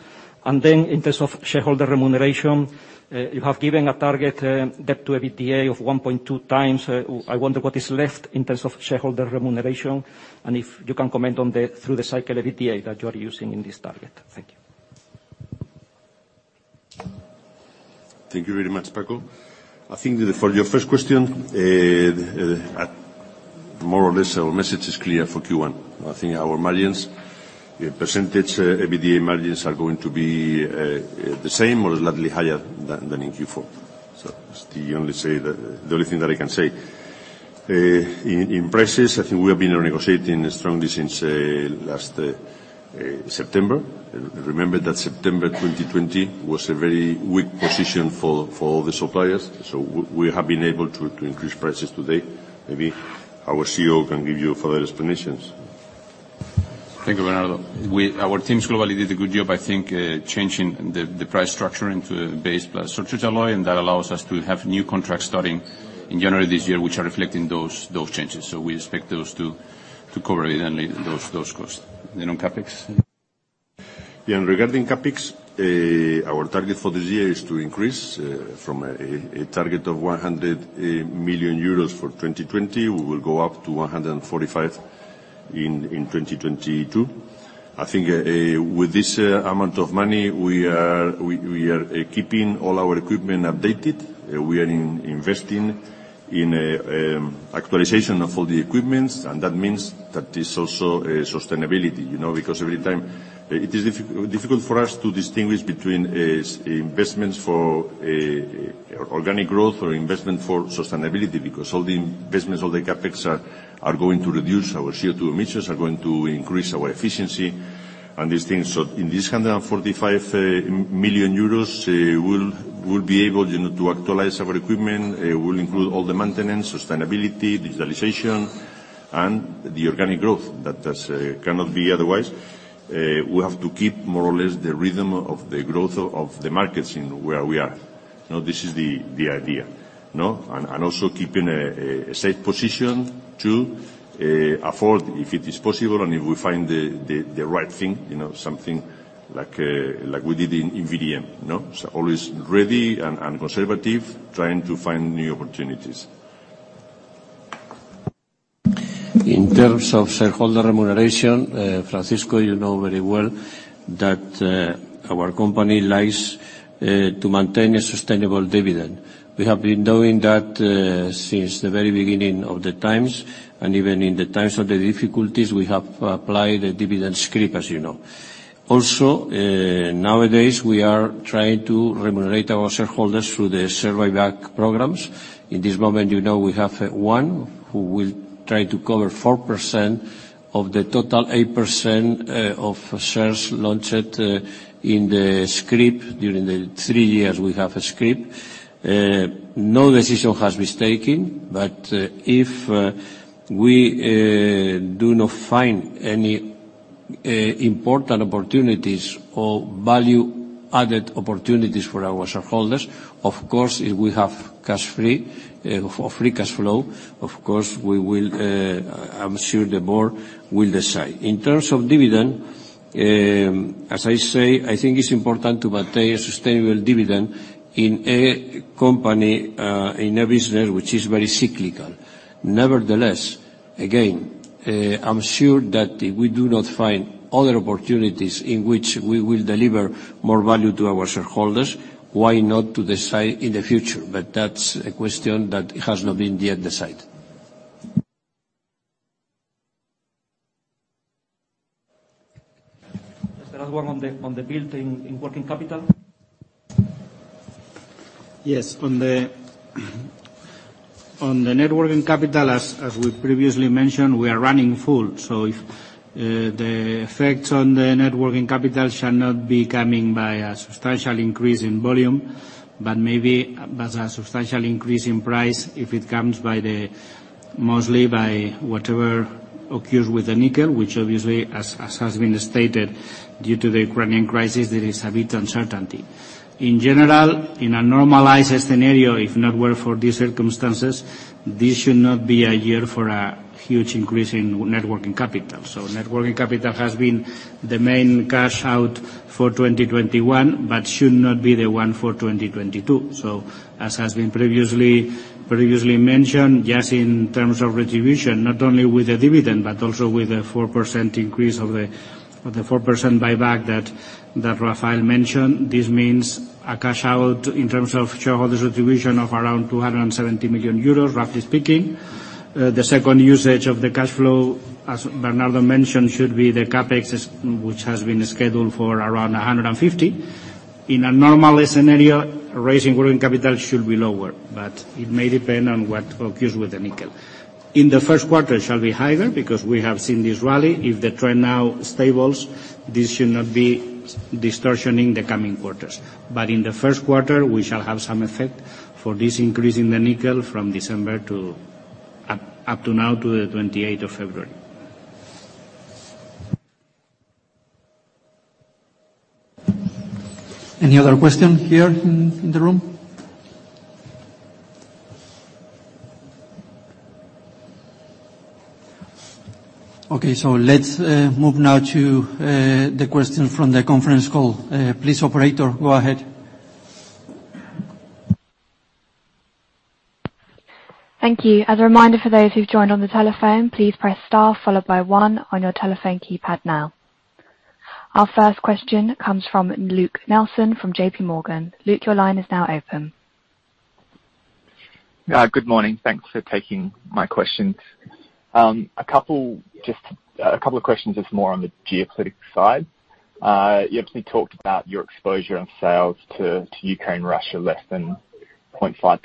In terms of shareholder remuneration, you have given a target debt to EBITDA of 1.2x. I wonder what is left in terms of shareholder remuneration, and if you can comment on the through-the-cycle EBITDA that you are using in this target. Thank you. Thank you very much, Paco. I think that for your first question, more or less, our message is clear for Q1. I think our margins, percentage, EBITDA margins are going to be the same or slightly higher than in Q4. Just to only say that, the only thing that I can say. In prices, I think we have been renegotiating strongly since last September. Remember that September 2020 was a very weak position for all the suppliers. We have been able to increase prices today. Maybe our CEO can give you further explanations. Thank you, Bernardo. Our teams globally did a good job, I think, changing the price structure into a base plus surcharge alloy, and that allows us to have new contracts starting in January this year, which are reflecting those changes. We expect those to cover only those costs. On CapEx? Yeah, regarding CapEx, our target for this year is to increase from a target of 100 million euros for 2020. We will go up to 145 million in 2022. I think with this amount of money, we are keeping all our equipment updated. We are investing in actualization of all the equipments, and that means that is also sustainability, you know. Because every time it is difficult for us to distinguish between investments for organic growth or investment for sustainability, because all the investments, all the CapEx are going to reduce our CO2 emissions, are going to increase our efficiency and these things. In this 145 million euros, we'll be able, you know, to actualize our equipment. It will include all the maintenance, sustainability, digitalization, and the organic growth. That cannot be otherwise. We have to keep more or less the rhythm of the growth of the markets in where we are. Now, this is the idea, you know. And also keeping a safe position to afford if it is possible and if we find the right thing, you know, something like we did in VDM, you know. Always ready and conservative, trying to find new opportunities. In terms of shareholder remuneration, Francisco, you know very well that our company likes to maintain a sustainable dividend. We have been doing that since the very beginning of the times, and even in the times of the difficulties we have applied a scrip dividend, as you know. Also, nowadays, we are trying to remunerate our shareholders through the share buyback programs. In this moment, you know we have one who will try to cover 4% of the total 8% of shares launched at in the scrip. During the three years we have a scrip. No decision has been taken, but if we do not find any important opportunities or value-added opportunities for our shareholders, of course, if we have cash free or free cash flow, of course, we will. I'm sure the board will decide. In terms of dividend, as I say, I think it's important to maintain a sustainable dividend in a company in a business which is very cyclical. Nevertheless, again, I'm sure that if we do not find other opportunities in which we will deliver more value to our shareholders, why not to decide in the future. That's a question that has not been yet decided. Just one on the build in working capital. Yes. On the net working capital, as we previously mentioned, we are running full. If the effects on the net working capital shall not be coming by a substantial increase in volume, but a substantial increase in price, if it comes mostly by whatever occurs with the nickel, which obviously, as has been stated, due to the Ukrainian crisis, there is a bit uncertainty. In general, in a normalized scenario, if not were for these circumstances, this should not be a year for a huge increase in net working capital. Net working capital has been the main cash out for 2021, but should not be the one for 2022. As has been previously mentioned, just in terms of retribution, not only with the dividend, but also with the 4% increase of the 4% buyback that Rafael mentioned. This means a cash out in terms of shareholder retribution of around 270 million euros, roughly speaking. The second usage of the cash flow, as Bernardo mentioned, should be the CapEx, which has been scheduled for around 150 million. In a normal scenario, raising working capital should be lower, but it may depend on what occurs with the nickel. In the first quarter, it shall be higher because we have seen this rally. If the trend now stabilizes, this should not be a distortion in the coming quarters. In the first quarter we shall have some effect for this increase in the nickel from December up to now to the 28th of February. Any other question here in the room? Okay, let's move now to the question from the conference call. Please, operator, go ahead. Thank you. As a reminder for those who've joined on the telephone, please press star followed by one on your telephone keypad now. Our first question comes from Luke Nelson from J.P. Morgan. Luke, your line is now open. Good morning. Thanks for taking my questions. A couple of questions just more on the geopolitical side. You obviously talked about your exposure on sales to Ukraine, Russia, less than 0.5%.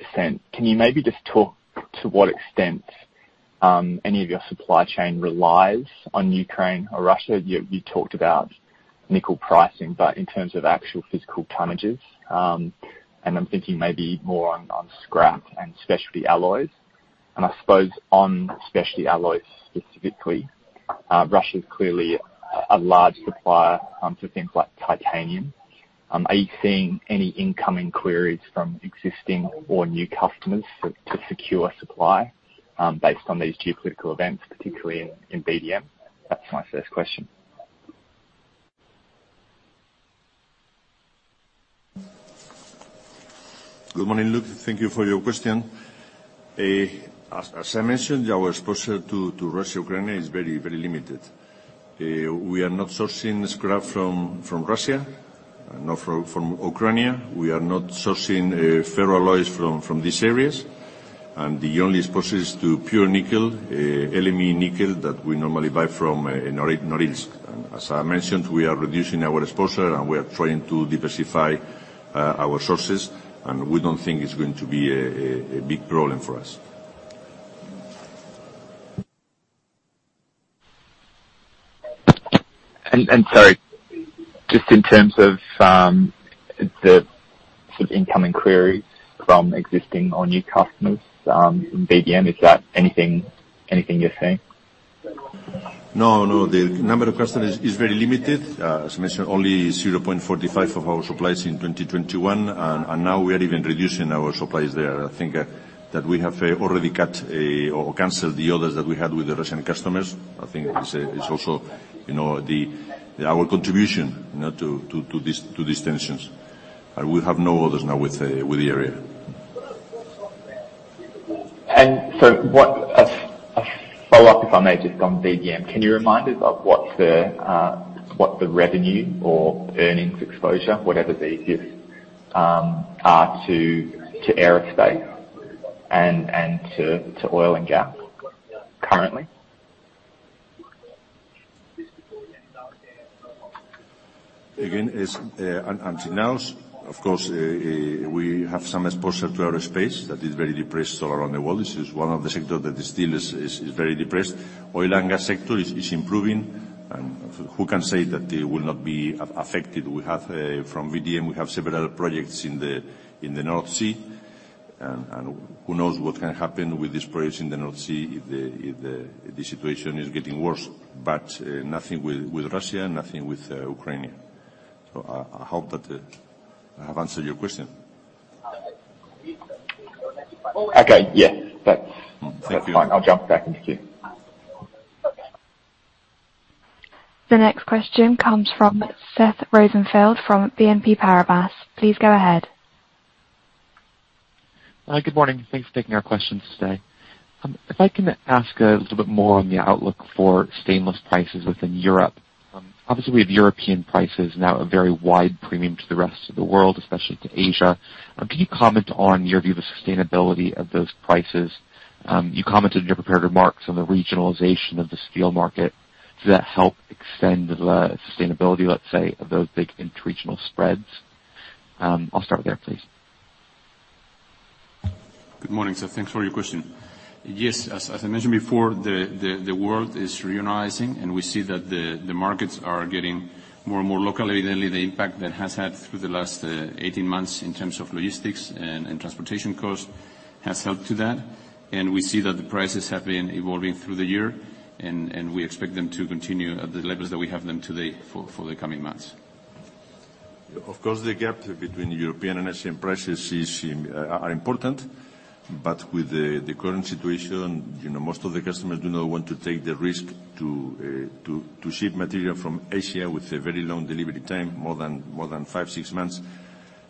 Can you maybe just talk to what extent any of your supply chain relies on Ukraine or Russia? You talked about nickel pricing, but in terms of actual physical tonnages, and I'm thinking maybe more on scrap and specialty alloys. I suppose on specialty alloys specifically, Russia's clearly a large supplier for things like titanium. Are you seeing any incoming queries from existing or new customers to secure supply based on these geopolitical events, particularly in VDM? That's my first question. Good morning, Luke. Thank you for your question. As I mentioned, our exposure to Russia/Ukraine is very limited. We are not sourcing scrap from Russia, nor from Ukraine. We are not sourcing ferroalloys from these areas. The only exposure is to pure nickel, LME nickel that we normally buy from Norilsk. As I mentioned, we are reducing our exposure, and we are trying to diversify our sources, and we don't think it's going to be a big problem for us. Sorry, just in terms of the sort of incoming queries from existing or new customers in VDM, is that anything you're seeing? No, no. The number of customers is very limited. As I mentioned, only 0.45% of our suppliers in 2021, and now we are even reducing our suppliers there. I think that we have already cut or canceled the orders that we had with the Russian customers. I think it's also, you know, our contribution, you know, to these tensions. We have no orders now with the area. A follow-up, if I may, just on VDM. Can you remind us of what the revenue or earnings exposure, whatever the easiest, are to aerospace and to oil and gas currently? Again, it's until now, of course, we have some exposure to aerospace that is very depressed all around the world. This is one of the sectors that still is very depressed. Oil and gas sector is improving. Who can say that they will not be affected? We have from VDM several projects in the North Sea. Who knows what can happen with these projects in the North Sea if the situation is getting worse. Nothing with Russia, nothing with Ukraine. I hope that I have answered your question. Okay. Yeah. That's fine. I'll jump back in the queue. The next question comes from Seth Rosenfeld from BNP Paribas. Please go ahead. Good morning. Thanks for taking our questions today. If I can ask a little bit more on the outlook for stainless prices within Europe. Obviously we have European prices now a very wide premium to the rest of the world, especially to Asia. Can you comment on your view of the sustainability of those prices? You commented in your prepared remarks on the regionalization of the steel market. Does that help extend the sustainability, let's say, of those big interregional spreads? I'll start there, please. Good morning, sir. Thanks for your question. Yes, as I mentioned before, the world is regionalizing, and we see that the markets are getting more and more local. Evidently, the impact that has had through the last 18 months in terms of logistics and transportation costs has helped to that. We see that the prices have been evolving through the year and we expect them to continue at the levels that we have them today for the coming months. Of course, the gap between European and Asian prices is important, but with the current situation, you know, most of the customers do not want to take the risk to ship material from Asia with a very long delivery time, more than five, six months.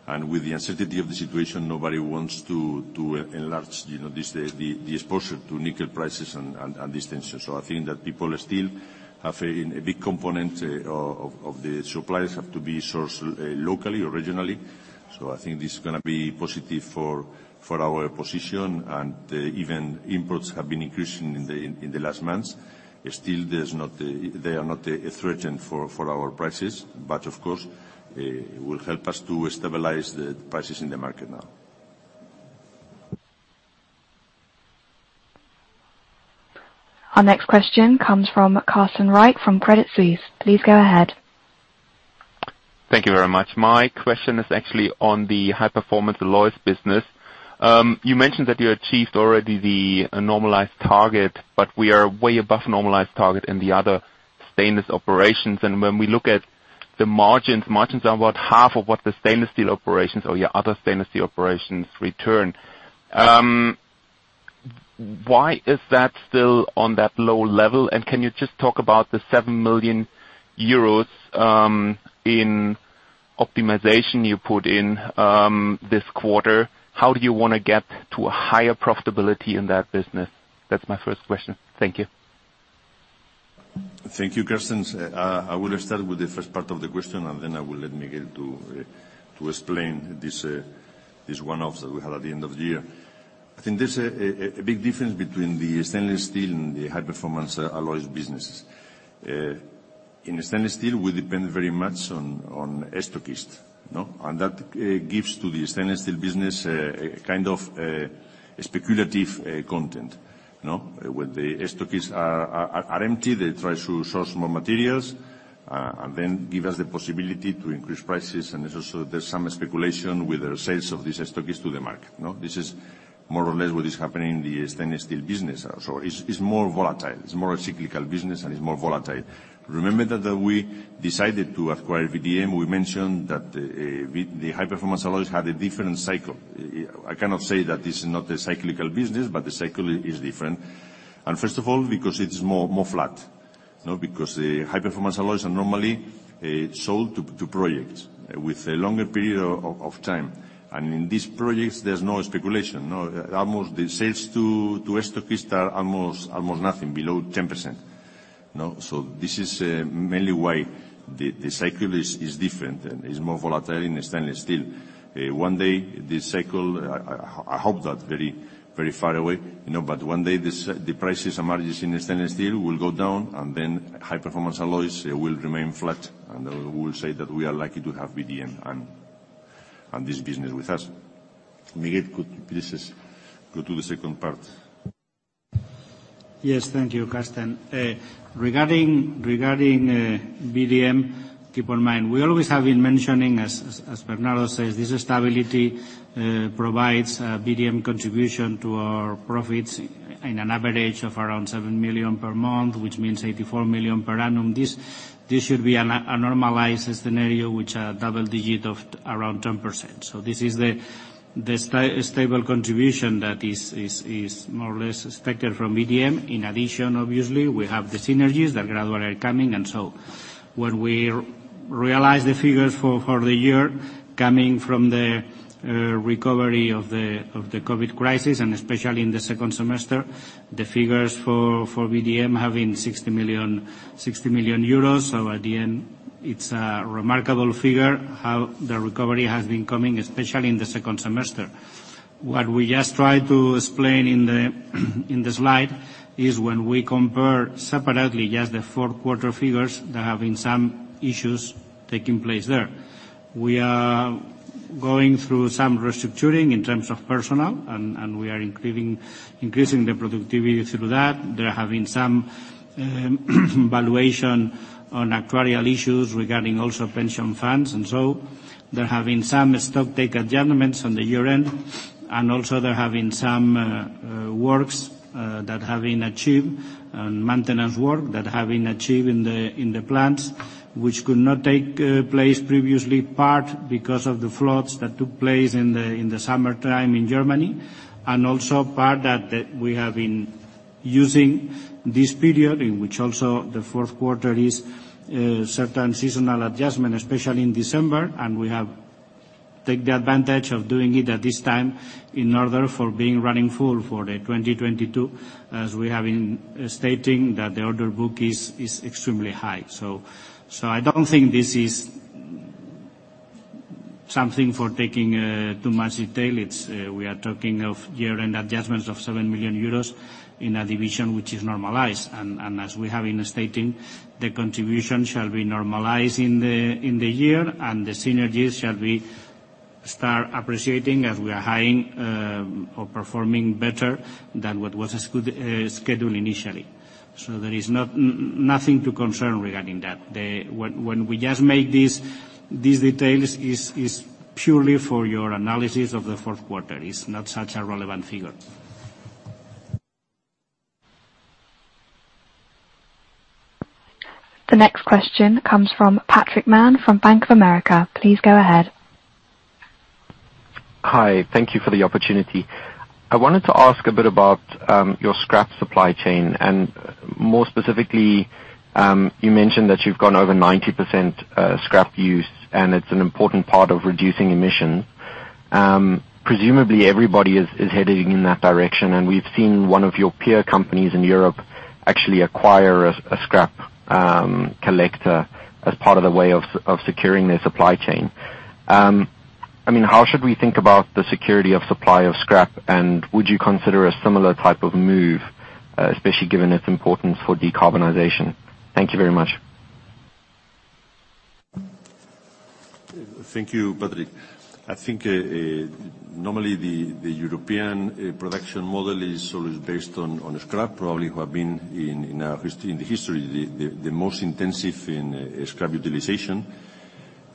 With the uncertainty of the situation, nobody wants to enlarge, you know, this exposure to nickel prices and distances. I think that people still have a big component of the suppliers have to be sourced locally or regionally. I think this is gonna be positive for our position, and even imports have been increasing in the last months. Still, they are not a threat for our prices. Of course, it will help us to stabilize the prices in the market now. Our next question comes from Carsten Riek from Credit Suisse. Please go ahead. Thank you very much. My question is actually on the High-Performance Alloys business. You mentioned that you achieved already the normalized target, but we are way above normalized target in the other stainless operations. When we look at the margins are about half of what the stainless steel operations or your other stainless steel operations return. Why is that still on that low level? Can you just talk about the 7 million euros in optimization you put in this quarter? How do you wanna get to a higher profitability in that business? That's my first question. Thank you. Thank you, Carsten. I will start with the first part of the question, and then I will let Miguel to explain this one-off that we had at the end of the year. I think there's a big difference between the stainless steel and the high-performance alloys businesses. In stainless steel, we depend very much on stockists, no? That gives to the stainless steel business a kind of speculative content, no? When the stockists are empty, they try to source more materials, and then give us the possibility to increase prices. There's also some speculation with the sales of these stockists to the market, no? This is more or less what is happening in the stainless steel business. It's more volatile. It's more a cyclical business, and it's more volatile. Remember that when we decided to acquire VDM, we mentioned that the high-performance alloys had a different cycle. I cannot say that this is not a cyclical business, but the cycle is different. First of all, because the high-performance alloys are normally sold to projects with a longer period of time. In these projects, there's no speculation. Almost the sales to stockists are almost nothing, below 10%,. This is mainly why the cycle is different and is more volatile in the stainless steel. One day, this cycle, I hope that's very far away, you know, but one day the prices and margins in stainless steel will go down, and then high-performance alloys will remain flat. We'll say that we are lucky to have VDM and this business with us. Miguel, could you please just go to the second part? Yes. Thank you, Carsten. Regarding VDM, keep in mind, we always have been mentioning, as Bernardo Velázquez says, this stability provides VDM contribution to our profits in an average of around 7 million per month, which means 84 million per annum. This should be a normalized scenario which are double-digit of around 10%. This is the stable contribution that is more or less expected from VDM. In addition, obviously, we have the synergies that gradually are coming. When we realize the figures for the year coming from the recovery of the COVID crisis, and especially in the second semester, the figures for VDM have been 60 million euros. At the end, it's a remarkable figure how the recovery has been coming, especially in the second semester. What we just tried to explain in the slide is when we compare separately just the fourth quarter figures, there have been some issues taking place there. We are going through some restructuring in terms of personnel, and we are increasing the productivity through that. There have been some valuation on actuarial issues regarding also pension funds. There have been some stocktake adjustments on the year-end, and also there have been some works that have been achieved and maintenance work that have been achieved in the plants which could not take place previously, part because of the floods that took place in the summertime in Germany, and also part that we have been using this period, in which also the fourth quarter is certain seasonal adjustment, especially in December. We have take the advantage of doing it at this time in order for being running full for the 2022, as we have been stating that the order book is extremely high. I don't think this is something for taking too much detail. It's we are talking of year-end adjustments of 7 million euros in a division which is normalized. As we have been stating, the contribution shall be normalized in the year, and the synergies shall start appreciating as we are hiring or performing better than what was scheduled initially. There is nothing to concern regarding that. When we just make these details is purely for your analysis of the fourth quarter. It's not such a relevant figure. The next question comes from Patrick Mann from Bank of America. Please go ahead. Hi. Thank you for the opportunity. I wanted to ask a bit about your scrap supply chain, and more specifically, you mentioned that you've gone over 90% scrap use, and it's an important part of reducing emission. Presumably everybody is heading in that direction, and we've seen one of your peer companies in Europe actually acquire a scrap collector as part of the way of securing their supply chain. I mean, how should we think about the security of supply of scrap, and would you consider a similar type of move, especially given its importance for decarbonization? Thank you very much. Thank you, Patrick. I think normally the European production model is always based on scrap, probably we have been in the history the most intensive in scrap utilization.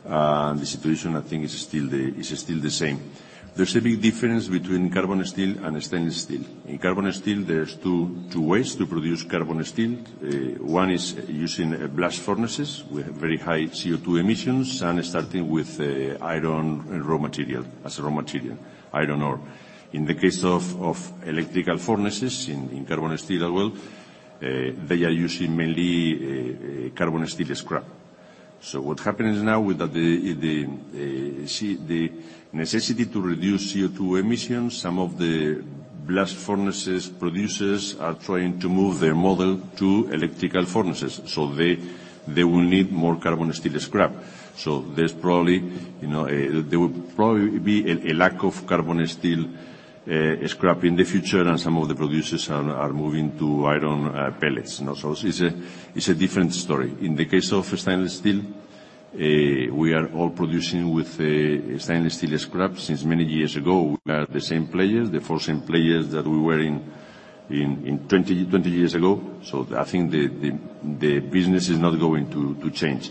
The situation, I think, is still the same. There's a big difference between carbon steel and stainless steel. In carbon steel, there's two ways to produce carbon steel. One is using blast furnaces with very high CO2 emissions and starting with iron raw material as a raw material, iron ore. In the case of electrical furnaces in carbon steel as well, they are using mainly carbon steel scrap. What happens now with the necessity to reduce CO2 emissions? Some of the blast furnace producers are trying to move their model to electrical furnaces, so they will need more carbon steel scrap. There will probably be a lack of carbon steel scrap in the future, you know, and some of the producers are moving to iron pellets. You know, it's a different story. In the case of stainless steel, we are all producing with stainless steel scrap since many years ago. We are the same players, the same 4 players that we were 20 years ago. I think the business is not going to change.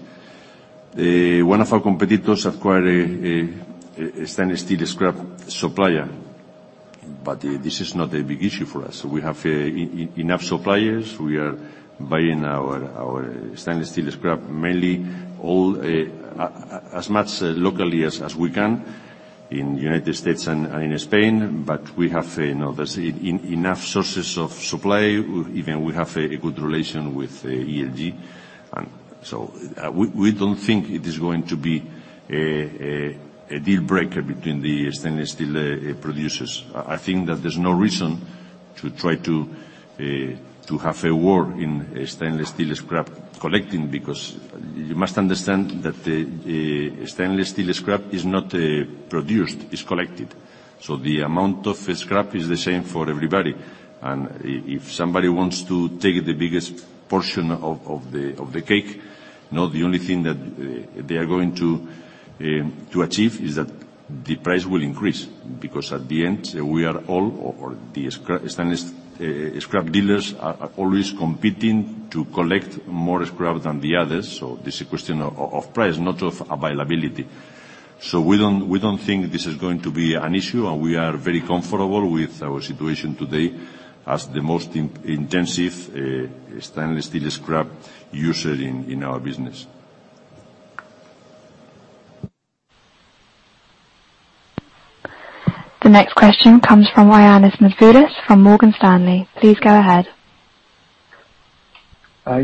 One of our competitors acquired a stainless steel scrap supplier, but this is not a big issue for us. We have enough suppliers. We are buying our stainless steel scrap mainly as much locally as we can in the United States and in Spain, but we have, you know, there's enough sources of supply. Even we have a good relation with ELG. We don't think it is going to be a deal breaker between the stainless steel producers. I think that there's no reason to try to have a war in stainless steel scrap collecting, because you must understand that the stainless steel scrap is not produced, it's collected. The amount of scrap is the same for everybody. If somebody wants to take the biggest portion of the cake, you know, the only thing that they are going to achieve is that the price will increase. Because at the end, we are all the stainless scrap dealers are always competing to collect more scrap than the others, so this is a question of price, not of availability. We don't think this is going to be an issue, and we are very comfortable with our situation today as the most intensive stainless steel scrap user in our business. The next question comes from Ioannis Masvoulas from Morgan Stanley. Please go ahead.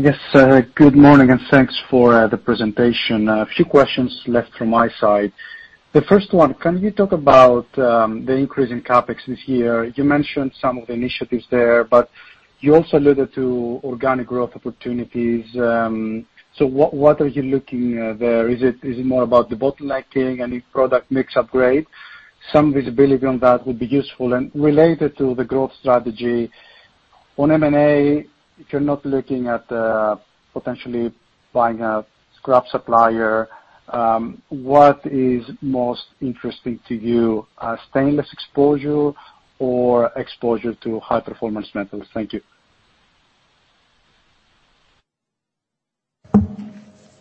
Yes, good morning, and thanks for the presentation. A few questions left from my side. The first one, can you talk about the increase in CapEx this year? You mentioned some of the initiatives there, but you also alluded to organic growth opportunities. What are you looking there? Is it more about the bottlenecking? Any product mix upgrade? Some visibility on that would be useful. Related to the growth strategy, on M&A, if you're not looking at potentially buying a scrap supplier, what is most interesting to you, stainless exposure or exposure to high-performance metals? Thank you.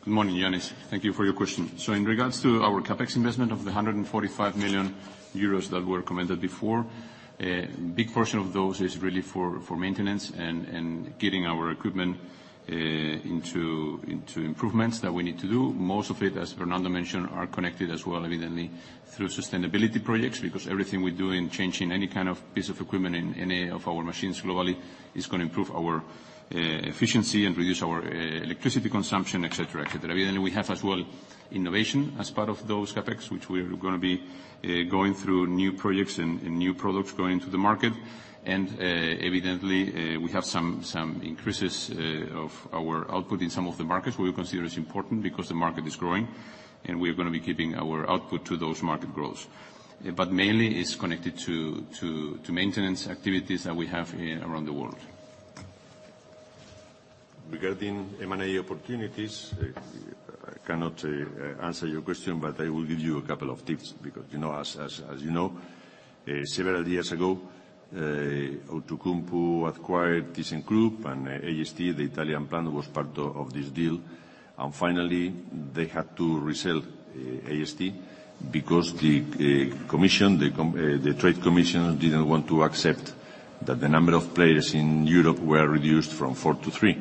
Good morning, Ioannis. Thank you for your question. In regards to our CapEx investment of 145 million euros that were commented before, a big portion of those is really for maintenance and getting our equipment into improvements that we need to do. Most of it, as Fernando mentioned, are connected as well, evidently, through sustainability projects, because everything we do in changing any kind of piece of equipment in any of our machines globally is gonna improve our efficiency and reduce our electricity consumption, et cetera. We have as well innovation as part of those CapEx, which we're gonna be going through new projects and new products going into the market. Evidently, we have some increases of our output in some of the markets we consider as important because the market is growing and we're gonna be keeping our output to those market growths. Mainly it's connected to maintenance activities that we have around the world. Regarding M&A opportunities, I cannot answer your question, but I will give you a couple of tips because, you know, as you know, several years ago, Outokumpu acquired ThyssenKrupp and AST, the Italian plant, was part of this deal. Finally, they had to resell AST because the trade commission didn't want to accept that the number of players in Europe were reduced from four to three.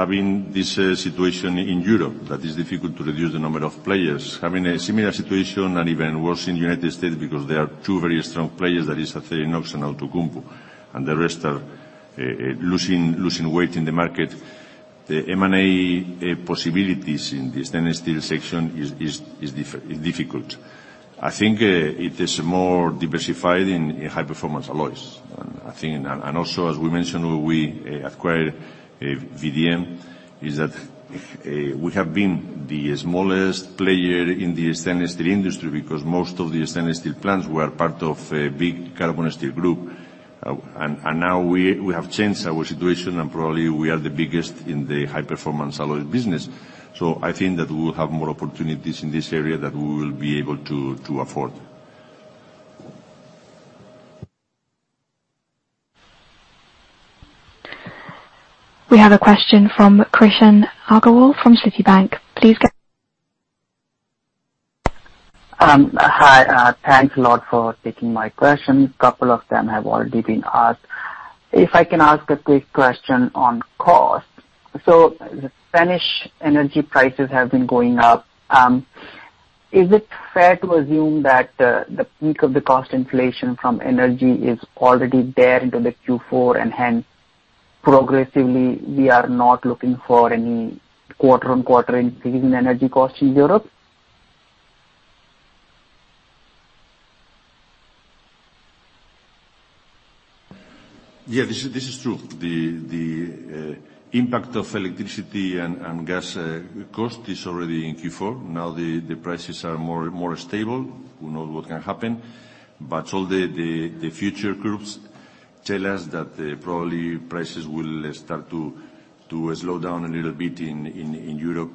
Having this situation in Europe, that is difficult to reduce the number of players. Having a similar situation and even worse in the United States because there are two very strong players, that is ArcelorMittal and Outokumpu, and the rest are losing weight in the market. The M&A possibilities in the stainless steel sector is difficult. I think it is more diversified in high-performance alloys. Also as we mentioned, we acquired VDM, and that we have been the smallest player in the stainless steel industry because most of the stainless steel plants were part of a big carbon steel group. Now we have changed our situation, and probably we are the biggest in the high-performance alloy business. I think that we will have more opportunities in this area that we will be able to afford. We have a question from Krishan Agarwal from Citi. Please go. Hi. Thanks a lot for taking my questions. A couple of them have already been asked. If I can ask a quick question on costs. The Spanish energy prices have been going up. Is it fair to assume that the peak of the cost inflation from energy is already there into the Q4 and hence progressively, we are not looking for any quarter-over-quarter increase in energy costs in Europe? Yeah, this is true. The impact of electricity and gas cost is already in Q4. Now the prices are more stable. Who knows what can happen? All the future groups tell us that probably prices will start to slow down a little bit in Europe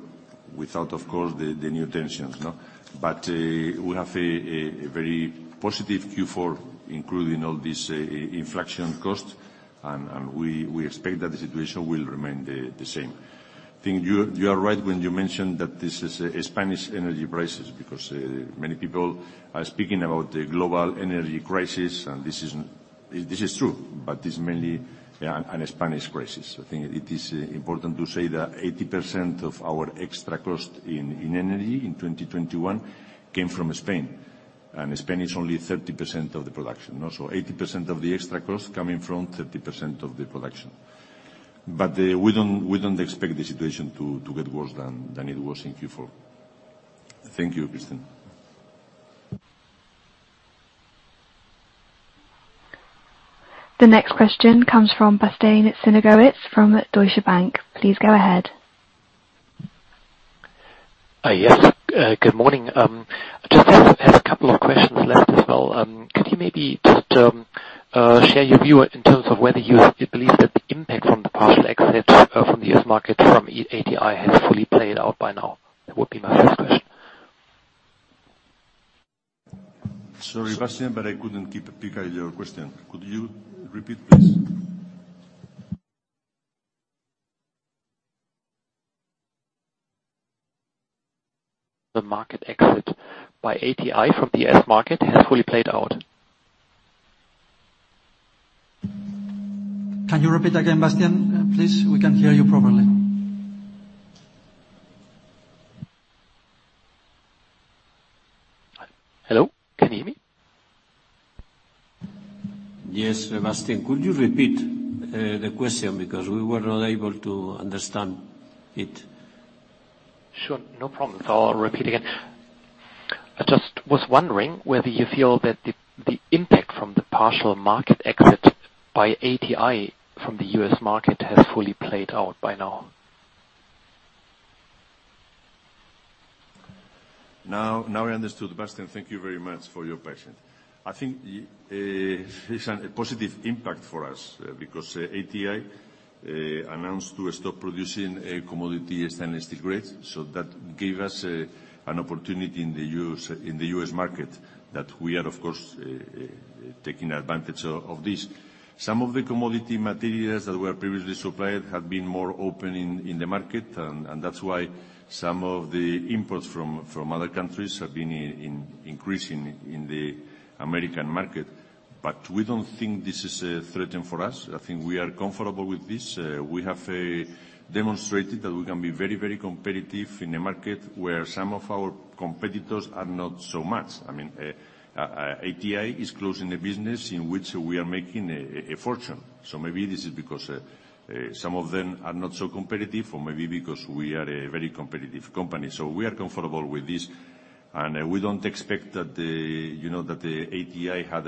without, of course, the new tensions, no? We have a very positive Q4, including all this inflation cost and we expect that the situation will remain the same. I think you are right when you mentioned that this is a Spanish energy crisis because many people are speaking about the global energy crisis and this is true, but it's mainly a Spanish crisis. I think it is important to say that 80% of our extra cost in energy in 2021 came from Spain, and Spain is only 30% of the production. Also, 80% of the extra cost coming from 30% of the production. We don't expect the situation to get worse than it was in Q4. Thank you, Krishan. The next question comes from Bastian Synagowitz from Deutsche Bank. Please go ahead. Yes. Good morning. I just have a couple of questions left as well. Could you maybe just share your view in terms of whether you believe that the impact from the partial exit from the U.S. market from ATI has fully played out by now? That would be my first question. Sorry, Bastian, but I couldn't pick your question. Could you repeat, please? The market exit by ATI from the S market has fully played out. Can you repeat again, Bastian, please? We can't hear you properly. Hello, can you hear me? Yes, Bastian, could you repeat the question because we were not able to understand it. Sure. No problem. I'll repeat again. I just was wondering whether you feel that the impact from the partial market exit by ATI from the U.S. market has fully played out by now. I understood, Bastian. Thank you very much for your patience. I think it's a positive impact for us because ATI announced to stop producing a commodity stainless steel grade, so that gave us an opportunity in the U.S. market that we are of course taking advantage of this. Some of the commodity materials that were previously supplied have been more open in the market and that's why some of the imports from other countries have been increasing in the American market. We don't think this is a threat for us. I think we are comfortable with this. We have demonstrated that we can be very competitive in a market where some of our competitors are not so much. I mean, ATI is closing a business in which we are making a fortune. Maybe this is because some of them are not so competitive or maybe because we are a very competitive company. We are comfortable with this, and we don't expect that the ATI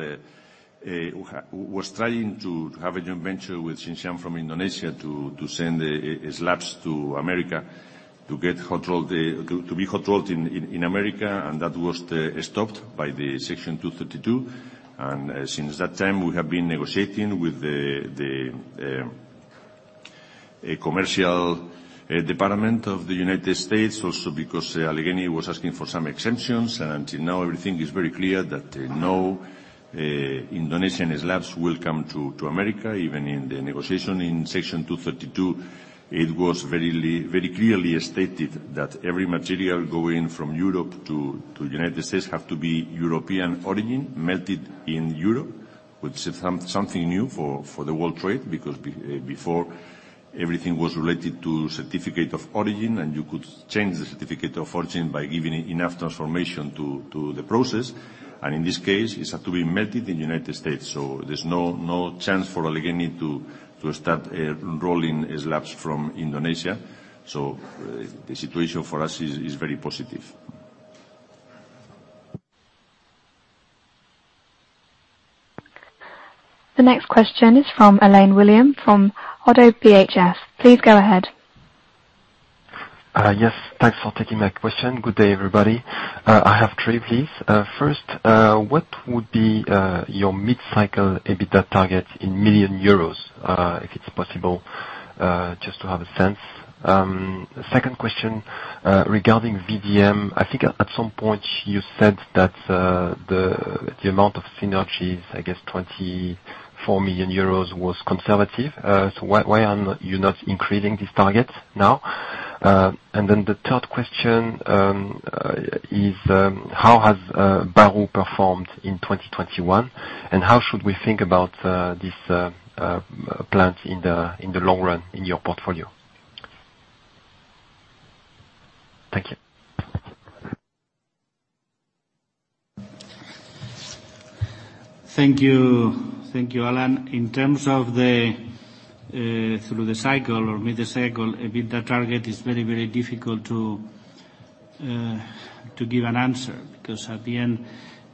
was trying to have a joint venture with Tsingshan from Indonesia to send slabs to America to be hot rolled in America, and that was stopped by the Section 232. Since that time, we have been negotiating with the commercial department of the United States also because Allegheny was asking for some exemptions. Until now, everything is very clear that no Indonesian slabs will come to America. Even in the negotiation in Section 232, it was very clearly stated that every material going from Europe to United States have to be European origin, melted in Europe, which is something new for the world trade, because before everything was related to certificate of origin, and you could change the certificate of origin by giving it enough transformation to the process. In this case, it's have to be melted in the United States, so there's no chance for Allegheny to start rolling slabs from Indonesia. The situation for us is very positive. The next question is from Alain William, from ODDO BHF. Please go ahead. Yes. Thanks for taking my question. Good day, everybody. I have three, please. First, what would be your mid-cycle EBITDA target in million euros, if it's possible, just to have a sense? Second question, regarding VDM. I think at some point you said that the amount of synergies, I guess 24 million euros was conservative. So why are you not increasing this target now? Then the third question is how has Bahru performed in 2021, and how should we think about this plant in the long run in your portfolio? Thank you. Thank you. Thank you, Alain. In terms of the through the cycle or mid the cycle, EBITDA target is very, very difficult to give an answer because at the end,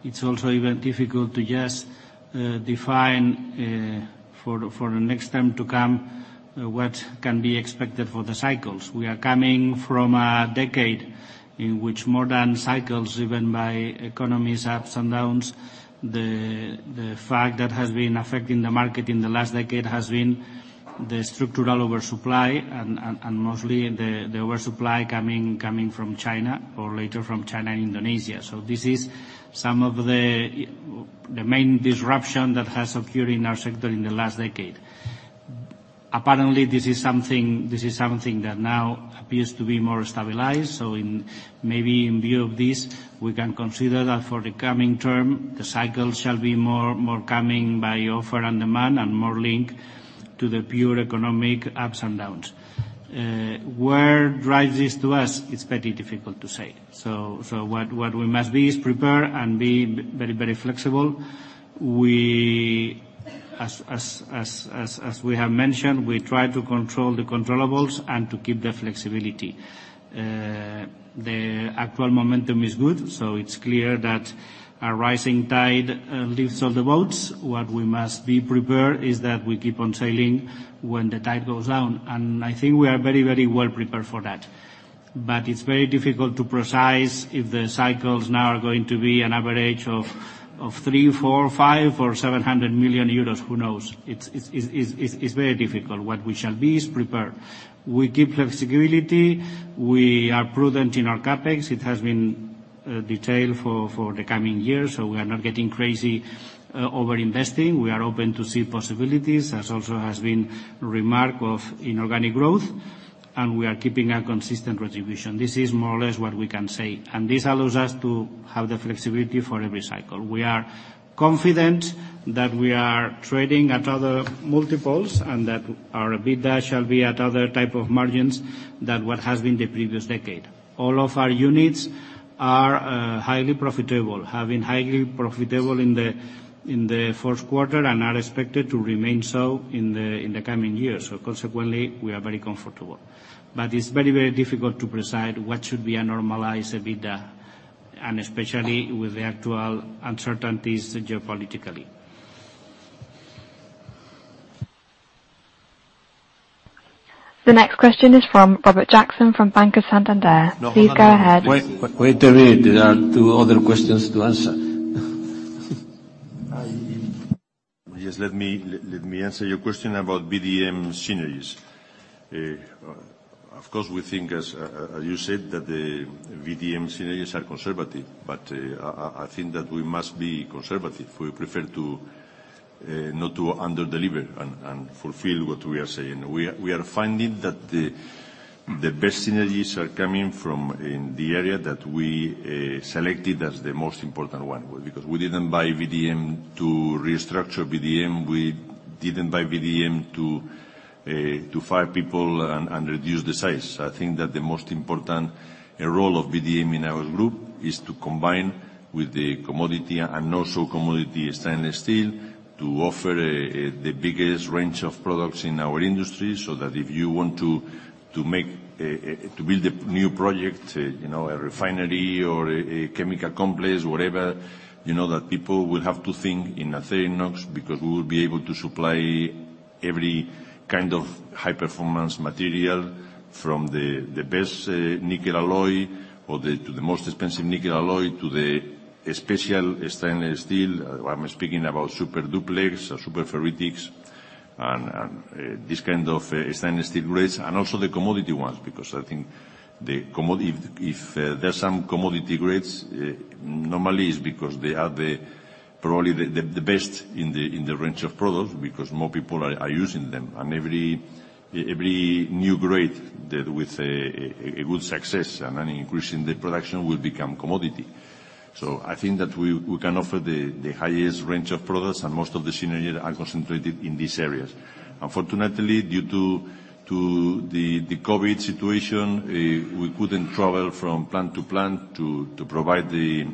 it's also even difficult to just define for the next time to come what can be expected for the cycles. We are coming from a decade in which more than cycles driven by economies ups and downs. The fact that has been affecting the market in the last decade has been the structural oversupply and mostly the oversupply coming from China or later from China and Indonesia. This is some of the main disruption that has occurred in our sector in the last decade. Apparently, this is something that now appears to be more stabilized. In view of this, we can consider that for the coming term, the cycle shall be more coming by supply and demand and more linked to the pure economic ups and downs. What drives this for us, it's very difficult to say. What we must be is prepared and be very, very flexible. As we have mentioned, we try to control the controllables and to keep the flexibility. The actual momentum is good, so it's clear that a rising tide lifts all the boats. What we must be prepared for is that we keep on sailing when the tide goes down. I think we are very, very well prepared for that. It's very difficult to predict if the cycles now are going to be an average of 300 million, 400 million, 500 million or 700 million euros. Who knows? It's very difficult. What we shall be is prepared. We keep flexibility. We are prudent in our CapEx. It has been detailed for the coming years, so we are not getting crazy over-investing. We are open to see possibilities as also has been remark of inorganic growth, and we are keeping a consistent retribution. This is more or less what we can say, and this allows us to have the flexibility for every cycle. We are confident that we are trading at other multiples and that our EBITDA shall be at other type of margins than what has been the previous decade. All of our units are highly profitable, have been highly profitable in the first quarter and are expected to remain so in the coming years. Consequently, we are very comfortable. It's very, very difficult to predict what should be a normalized EBITDA and especially with the actual uncertainties geopolitically. The next question is from Robert Jackson, from Banco Santander. Please go ahead. No, wait. Wait a minute. There are two other questions to answer. Just let me answer your question about VDM synergies. Of course, we think as you said, that the VDM synergies are conservative. I think that we must be conservative. We prefer to not to under-deliver and fulfill what we are saying. We are finding that the best synergies are coming from in the area that we selected as the most important one. Because we didn't buy VDM to restructure VDM. We didn't buy VDM to fire people and reduce the size. I think that the most important role of VDM in our group is to combine with the commodity and also commodity stainless steel to offer the biggest range of products in our industry, so that if you want to build a new project, you know, a refinery or a chemical complex, whatever, you know that people will have to think in Acerinox because we will be able to supply every kind of high-performance material from the best nickel alloy to the most expensive nickel alloy to the special stainless steel. I'm speaking about super duplex or super ferritics and this kind of stainless steel grades, and also the commodity ones, because I think if there are some commodity grades, normally it's because they are probably the best in the range of products because more people are using them. Every new grade that with a good success and an increase in the production will become commodity. I think that we can offer the highest range of products and most of the synergies are concentrated in these areas. Unfortunately, due to the COVID situation, we couldn't travel from plant to plant to provide the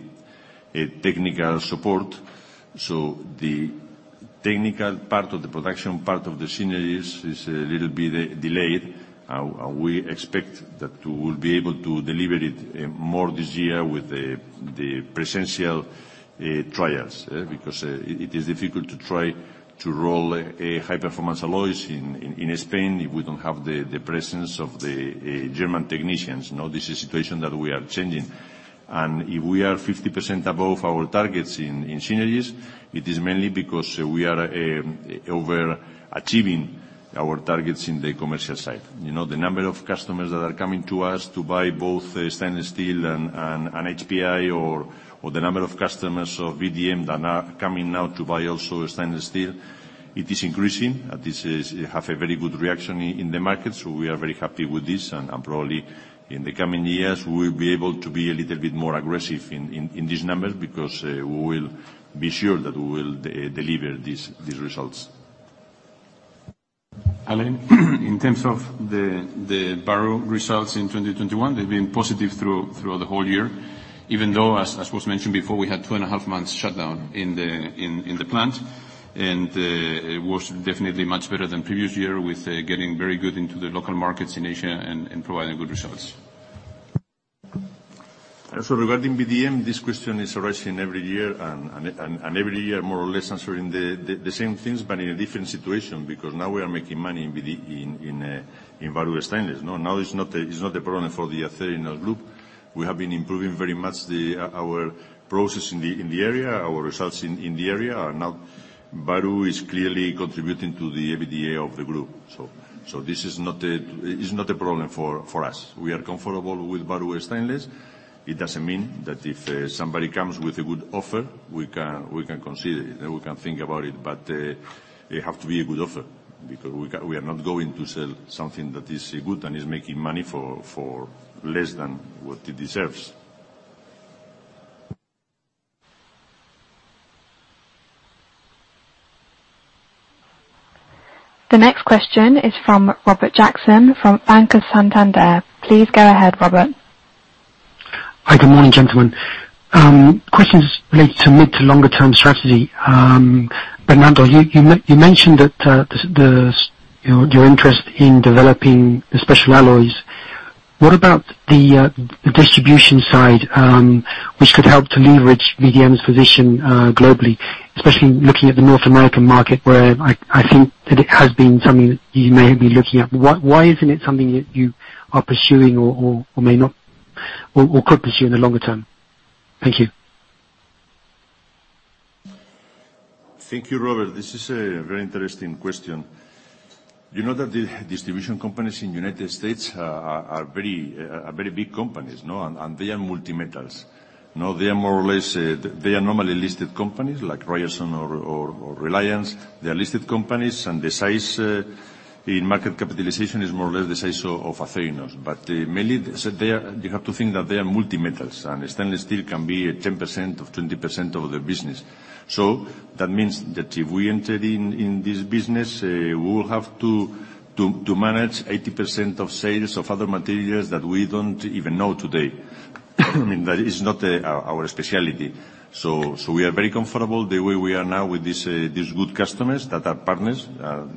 technical support. The technical part of the production, part of the synergies is a little bit delayed. We expect that we will be able to deliver it more this year with the presential trials because it is difficult to try to roll high-performance alloys in Spain if we don't have the presence of the German technicians. This is a situation that we are changing. If we are 50% above our targets in synergies, it is mainly because we are overachieving our targets in the commercial side. You know, the number of customers that are coming to us to buy both stainless steel and HPA or the number of customers of VDM that are coming now to buy also stainless steel, it is increasing. This has a very good reaction in the market. We are very happy with this. Probably in the coming years, we will be able to be a little bit more aggressive in these numbers because we will be sure that we will deliver these results. Alain, in terms of the Bahru results in 2021, they've been positive through the whole year. Even though, as was mentioned before, we had two and a half months shutdown in the plant. It was definitely much better than previous year with getting very good into the local markets in Asia and providing good results. Regarding VDM, this question is arising every year and every year more or less answering the same things, but in a different situation. Because now we are making money in Bahru Stainless. Now it's not a problem for the Acerinox group. We have been improving very much our process in the area. Our results in the area are now. Bahru is clearly contributing to the EBITDA of the group. This is not a problem for us. We are comfortable with Bahru stainless. It doesn't mean that if somebody comes with a good offer, we can consider it, then we can think about it. It have to be a good offer because we are not going to sell something that is good and is making money for less than what it deserves. The next question is from Robert Jackson from Banco Santander. Please go ahead, Robert. Hi. Good morning, gentlemen. Questions related to mid- to longer-term strategy. Bernardo, you mentioned that, you know, your interest in developing the special alloys. What about the distribution side, which could help to leverage VDM's position globally? Especially looking at the North American market, where I think that it has been something you may have been looking at. Why isn't it something that you are pursuing or may not or could pursue in the longer term? Thank you. Thank you, Robert. This is a very interesting question. You know that the distribution companies in United States are very big companies, no? They are multi-metals. No, they are more or less normally listed companies like Ryerson or Reliance. They are listed companies, and the size in market capitalization is more or less the size of Acerinox. Mainly, you have to think that they are multi-metals and stainless steel can be 10% or 20% of their business. That means that if we enter in this business, we will have to manage 80% of sales of other materials that we don't even know today. I mean, that is not our specialty. We are very comfortable with the way we are now with these good customers that are partners.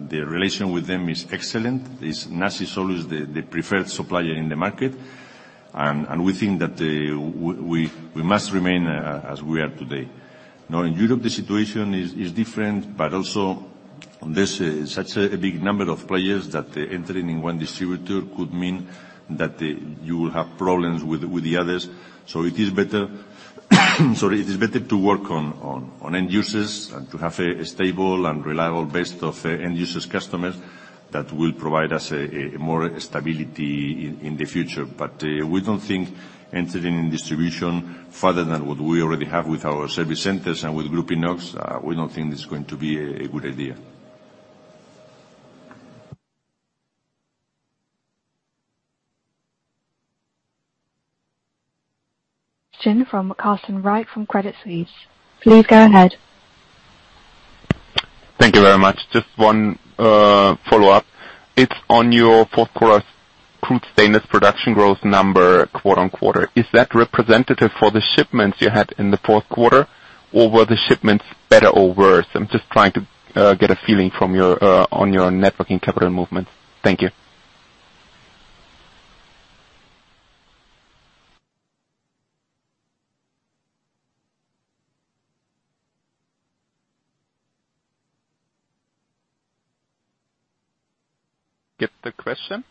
The relation with them is excellent. NAS is always the preferred supplier in the market. We think that we must remain as we are today. Now in Europe, the situation is different, but also this is such a big number of players that entering in one distributor could mean that you will have problems with the others. It is better, sorry. It is better to work on end users and to have a stable and reliable base of end users customers that will provide us more stability in the future. We don't think entering in distribution further than what we already have with our service centers and with Grupinox. We don't think it's going to be a good idea. Next question from Carsten Riek from Credit Suisse. Please go ahead. Thank you very much. Just one follow-up. It's on your fourth quarter crude stainless production growth number quarter on quarter. Is that representative for the shipments you had in the fourth quarter, or were the shipments better or worse? I'm just trying to get a feeling from you on your net working capital movements. Thank you. Get the question.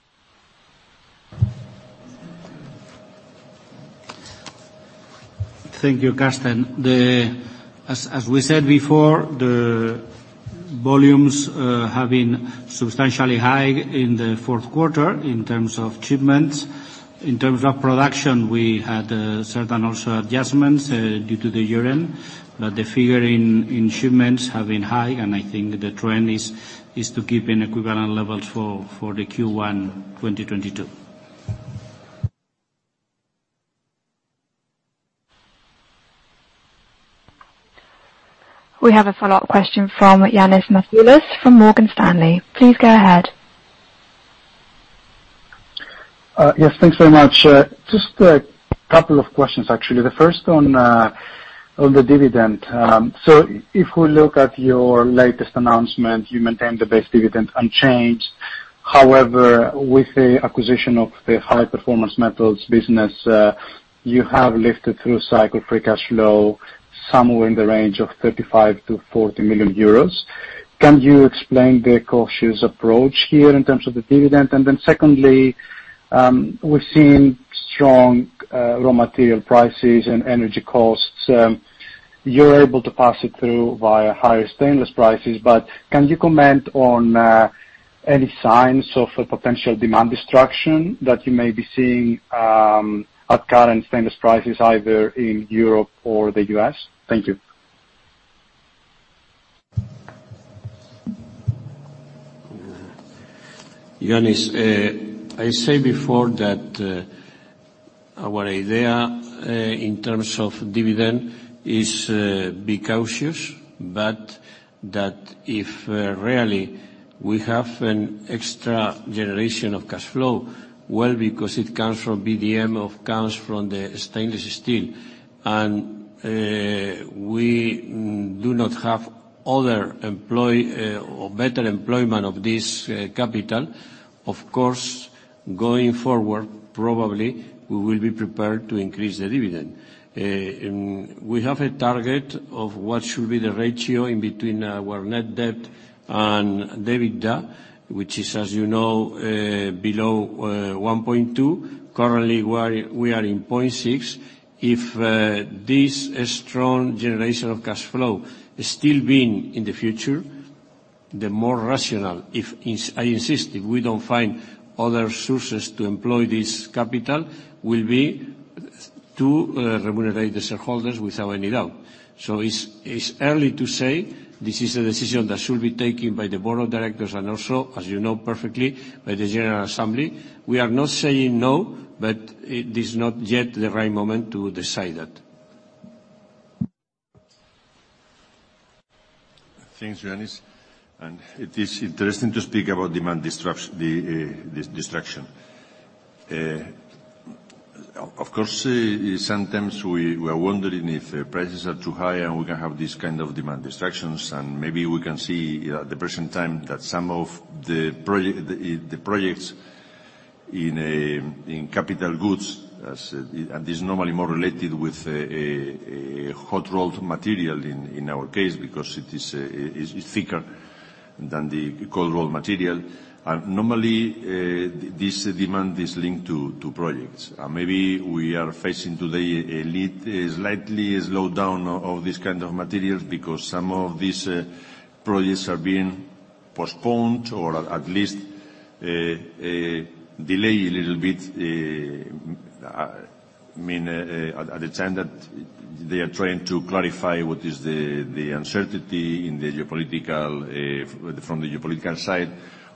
Thank you, Carsten. As we said before, the volumes have been substantially high in the fourth quarter in terms of shipments. In terms of production, we had certain also adjustments due to the year-end. The figure in shipments have been high, and I think the trend is to keep in equivalent levels for Q1 2022. We have a follow-up question from Ioannis Masvoulas from Morgan Stanley. Please go ahead. Yes, thanks very much. Just a couple of questions, actually. The first on the dividend. If we look at your latest announcement, you maintain the base dividend unchanged. However, with the acquisition of the high performance metals business, you have lifted through cycle free cash flow somewhere in the range of 35 million-40 million euros. Can you explain the cautious approach here in terms of the dividend? Secondly, we've seen strong raw material prices and energy costs. You're able to pass it through via higher stainless prices, but can you comment on any signs of a potential demand destruction that you may be seeing at current stainless prices, either in Europe or the U.S.? Thank you. Ioannis, I said before that our idea in terms of dividend is to be cautious, but that if really we have an extra generation of cash flow, well, because it comes from VDM or comes from the stainless steel, and we do not have other or better employment of this capital. Of course, going forward, probably we will be prepared to increase the dividend. We have a target of what should be the ratio in between our net debt and EBITDA, which is, as you know, below 1.2. Currently we are at 0.6. If this strong generation of cash flow is still being in the future The more rational, I insist, if we don't find other sources to employ this capital, will be to remunerate the shareholders without any doubt. It's early to say. This is a decision that should be taken by the Board of Directors and also, as you know perfectly, by the General Assembly. We are not saying no, but it is not yet the right moment to decide that. Thanks, Ioannis. It is interesting to speak about demand destruction. Of course, sometimes we are wondering if prices are too high and we can have this kind of demand destruction. Maybe we can see at the present time that some of the projects in capital goods. This is normally more related with a hot rolled material in our case, because it is thicker than the cold rolled material. Normally, this demand is linked to projects. Maybe we are facing today a slight slowdown of this kind of materials because some of these projects are being postponed or at least delayed a little bit. I mean, at the time that they are trying to clarify what is the uncertainty in the geopolitical, from the geopolitical side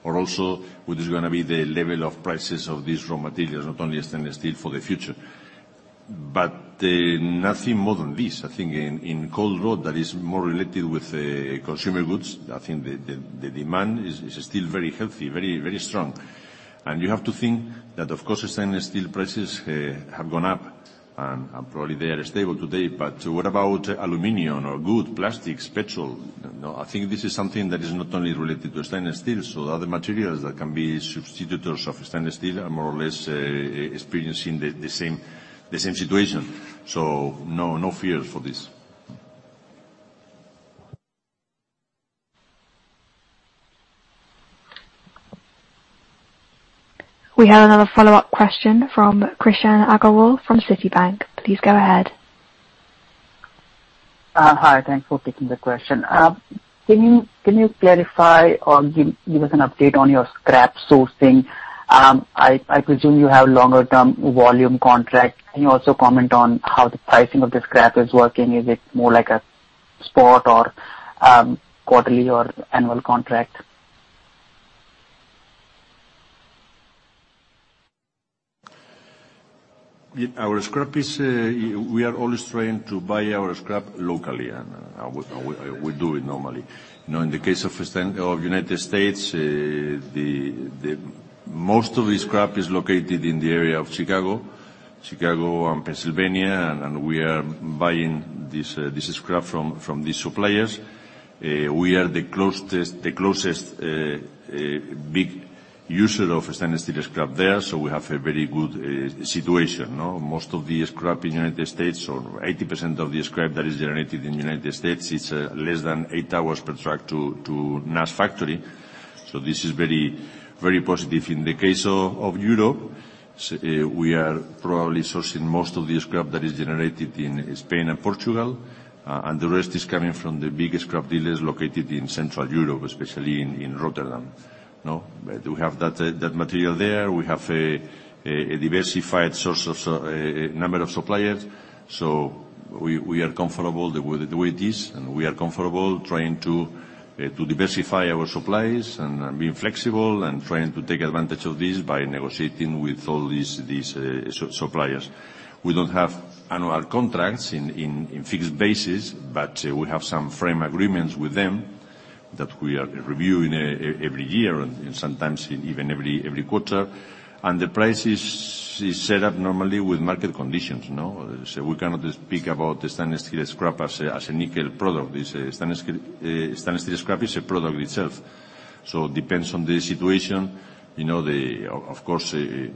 or also what is gonna be the level of prices of these raw materials, not only stainless steel for the future. Nothing more than this. I think in cold rolled that is more related with the consumer goods, I think the demand is still very healthy, very strong. You have to think that of course, stainless steel prices have gone up and probably they are stable today. What about aluminum or wood, plastic, petrol? You know, I think this is something that is not only related to stainless steel. Other materials that can be substitutes of stainless steel are more or less experiencing the same situation. No, no fears for this. We have another follow-up question from Krishan Agarwal from Citi. Please go ahead. Hi. Thanks for taking the question. Can you clarify or give us an update on your scrap sourcing? I presume you have longer term volume contract. Can you also comment on how the pricing of the scrap is working? Is it more like a spot or quarterly or annual contract? Our scrap is, we are always trying to buy our scrap locally, and we do it normally. You know, in the case of the United States, the most of the scrap is located in the area of Chicago and Pennsylvania. We are buying this scrap from these suppliers. We are the closest big user of stainless steel scrap there, so we have a very good situation. Most of the scrap in the United States, or 80% of the scrap that is generated in the United States, is less than eight hours per truck to the NAS factory. This is very positive. In the case of Europe, we are probably sourcing most of the scrap that is generated in Spain and Portugal, and the rest is coming from the biggest scrap dealers located in Central Europe, especially in Rotterdam. You know, we have that material there. We have a diversified source of a number of suppliers. We are comfortable the way it is, and we are comfortable trying to diversify our supplies and being flexible and trying to take advantage of this by negotiating with all these suppliers. We don't have annual contracts in fixed basis, but we have some frame agreements with them that we are reviewing every year and sometimes even every quarter. The prices is set up normally with market conditions, you know. We cannot speak about the stainless steel scrap as a nickel product. This stainless steel scrap is a product itself. It depends on the situation. Of course, we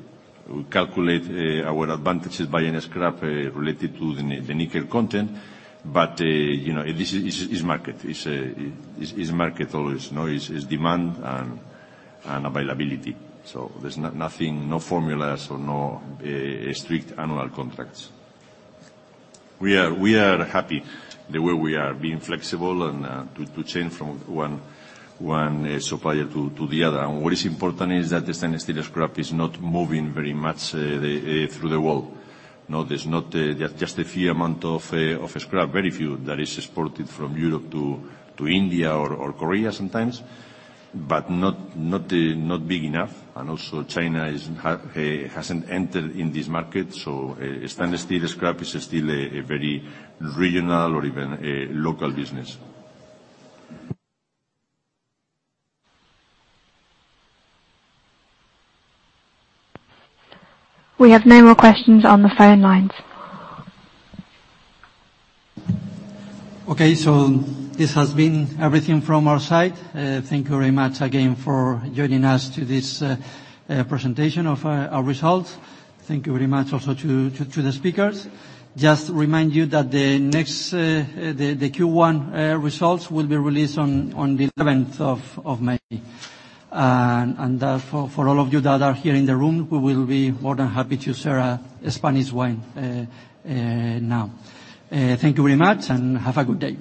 calculate our advantages buying scrap related to the nickel content. You know, this is market. It's market always. You know, it's demand and availability. There's nothing, no formulas or strict annual contracts. We are happy the way we are being flexible and to change from one supplier to the other. What is important is that the stainless steel scrap is not moving very much through the world. No, there's not. There are just a few amount of of scrap, very few, that is exported from Europe to India or Korea sometimes, but not big enough. Also China hasn't entered in this market. Stainless steel scrap is still a very regional or even a local business. We have no more questions on the phone lines. Okay. This has been everything from our side. Thank you very much again for joining us to this presentation of our results. Thank you very much also to the speakers. Just remind you that the next Q1 results will be released on the seventh of May. For all of you that are here in the room, we will be more than happy to share a Spanish wine now. Thank you very much and have a good day.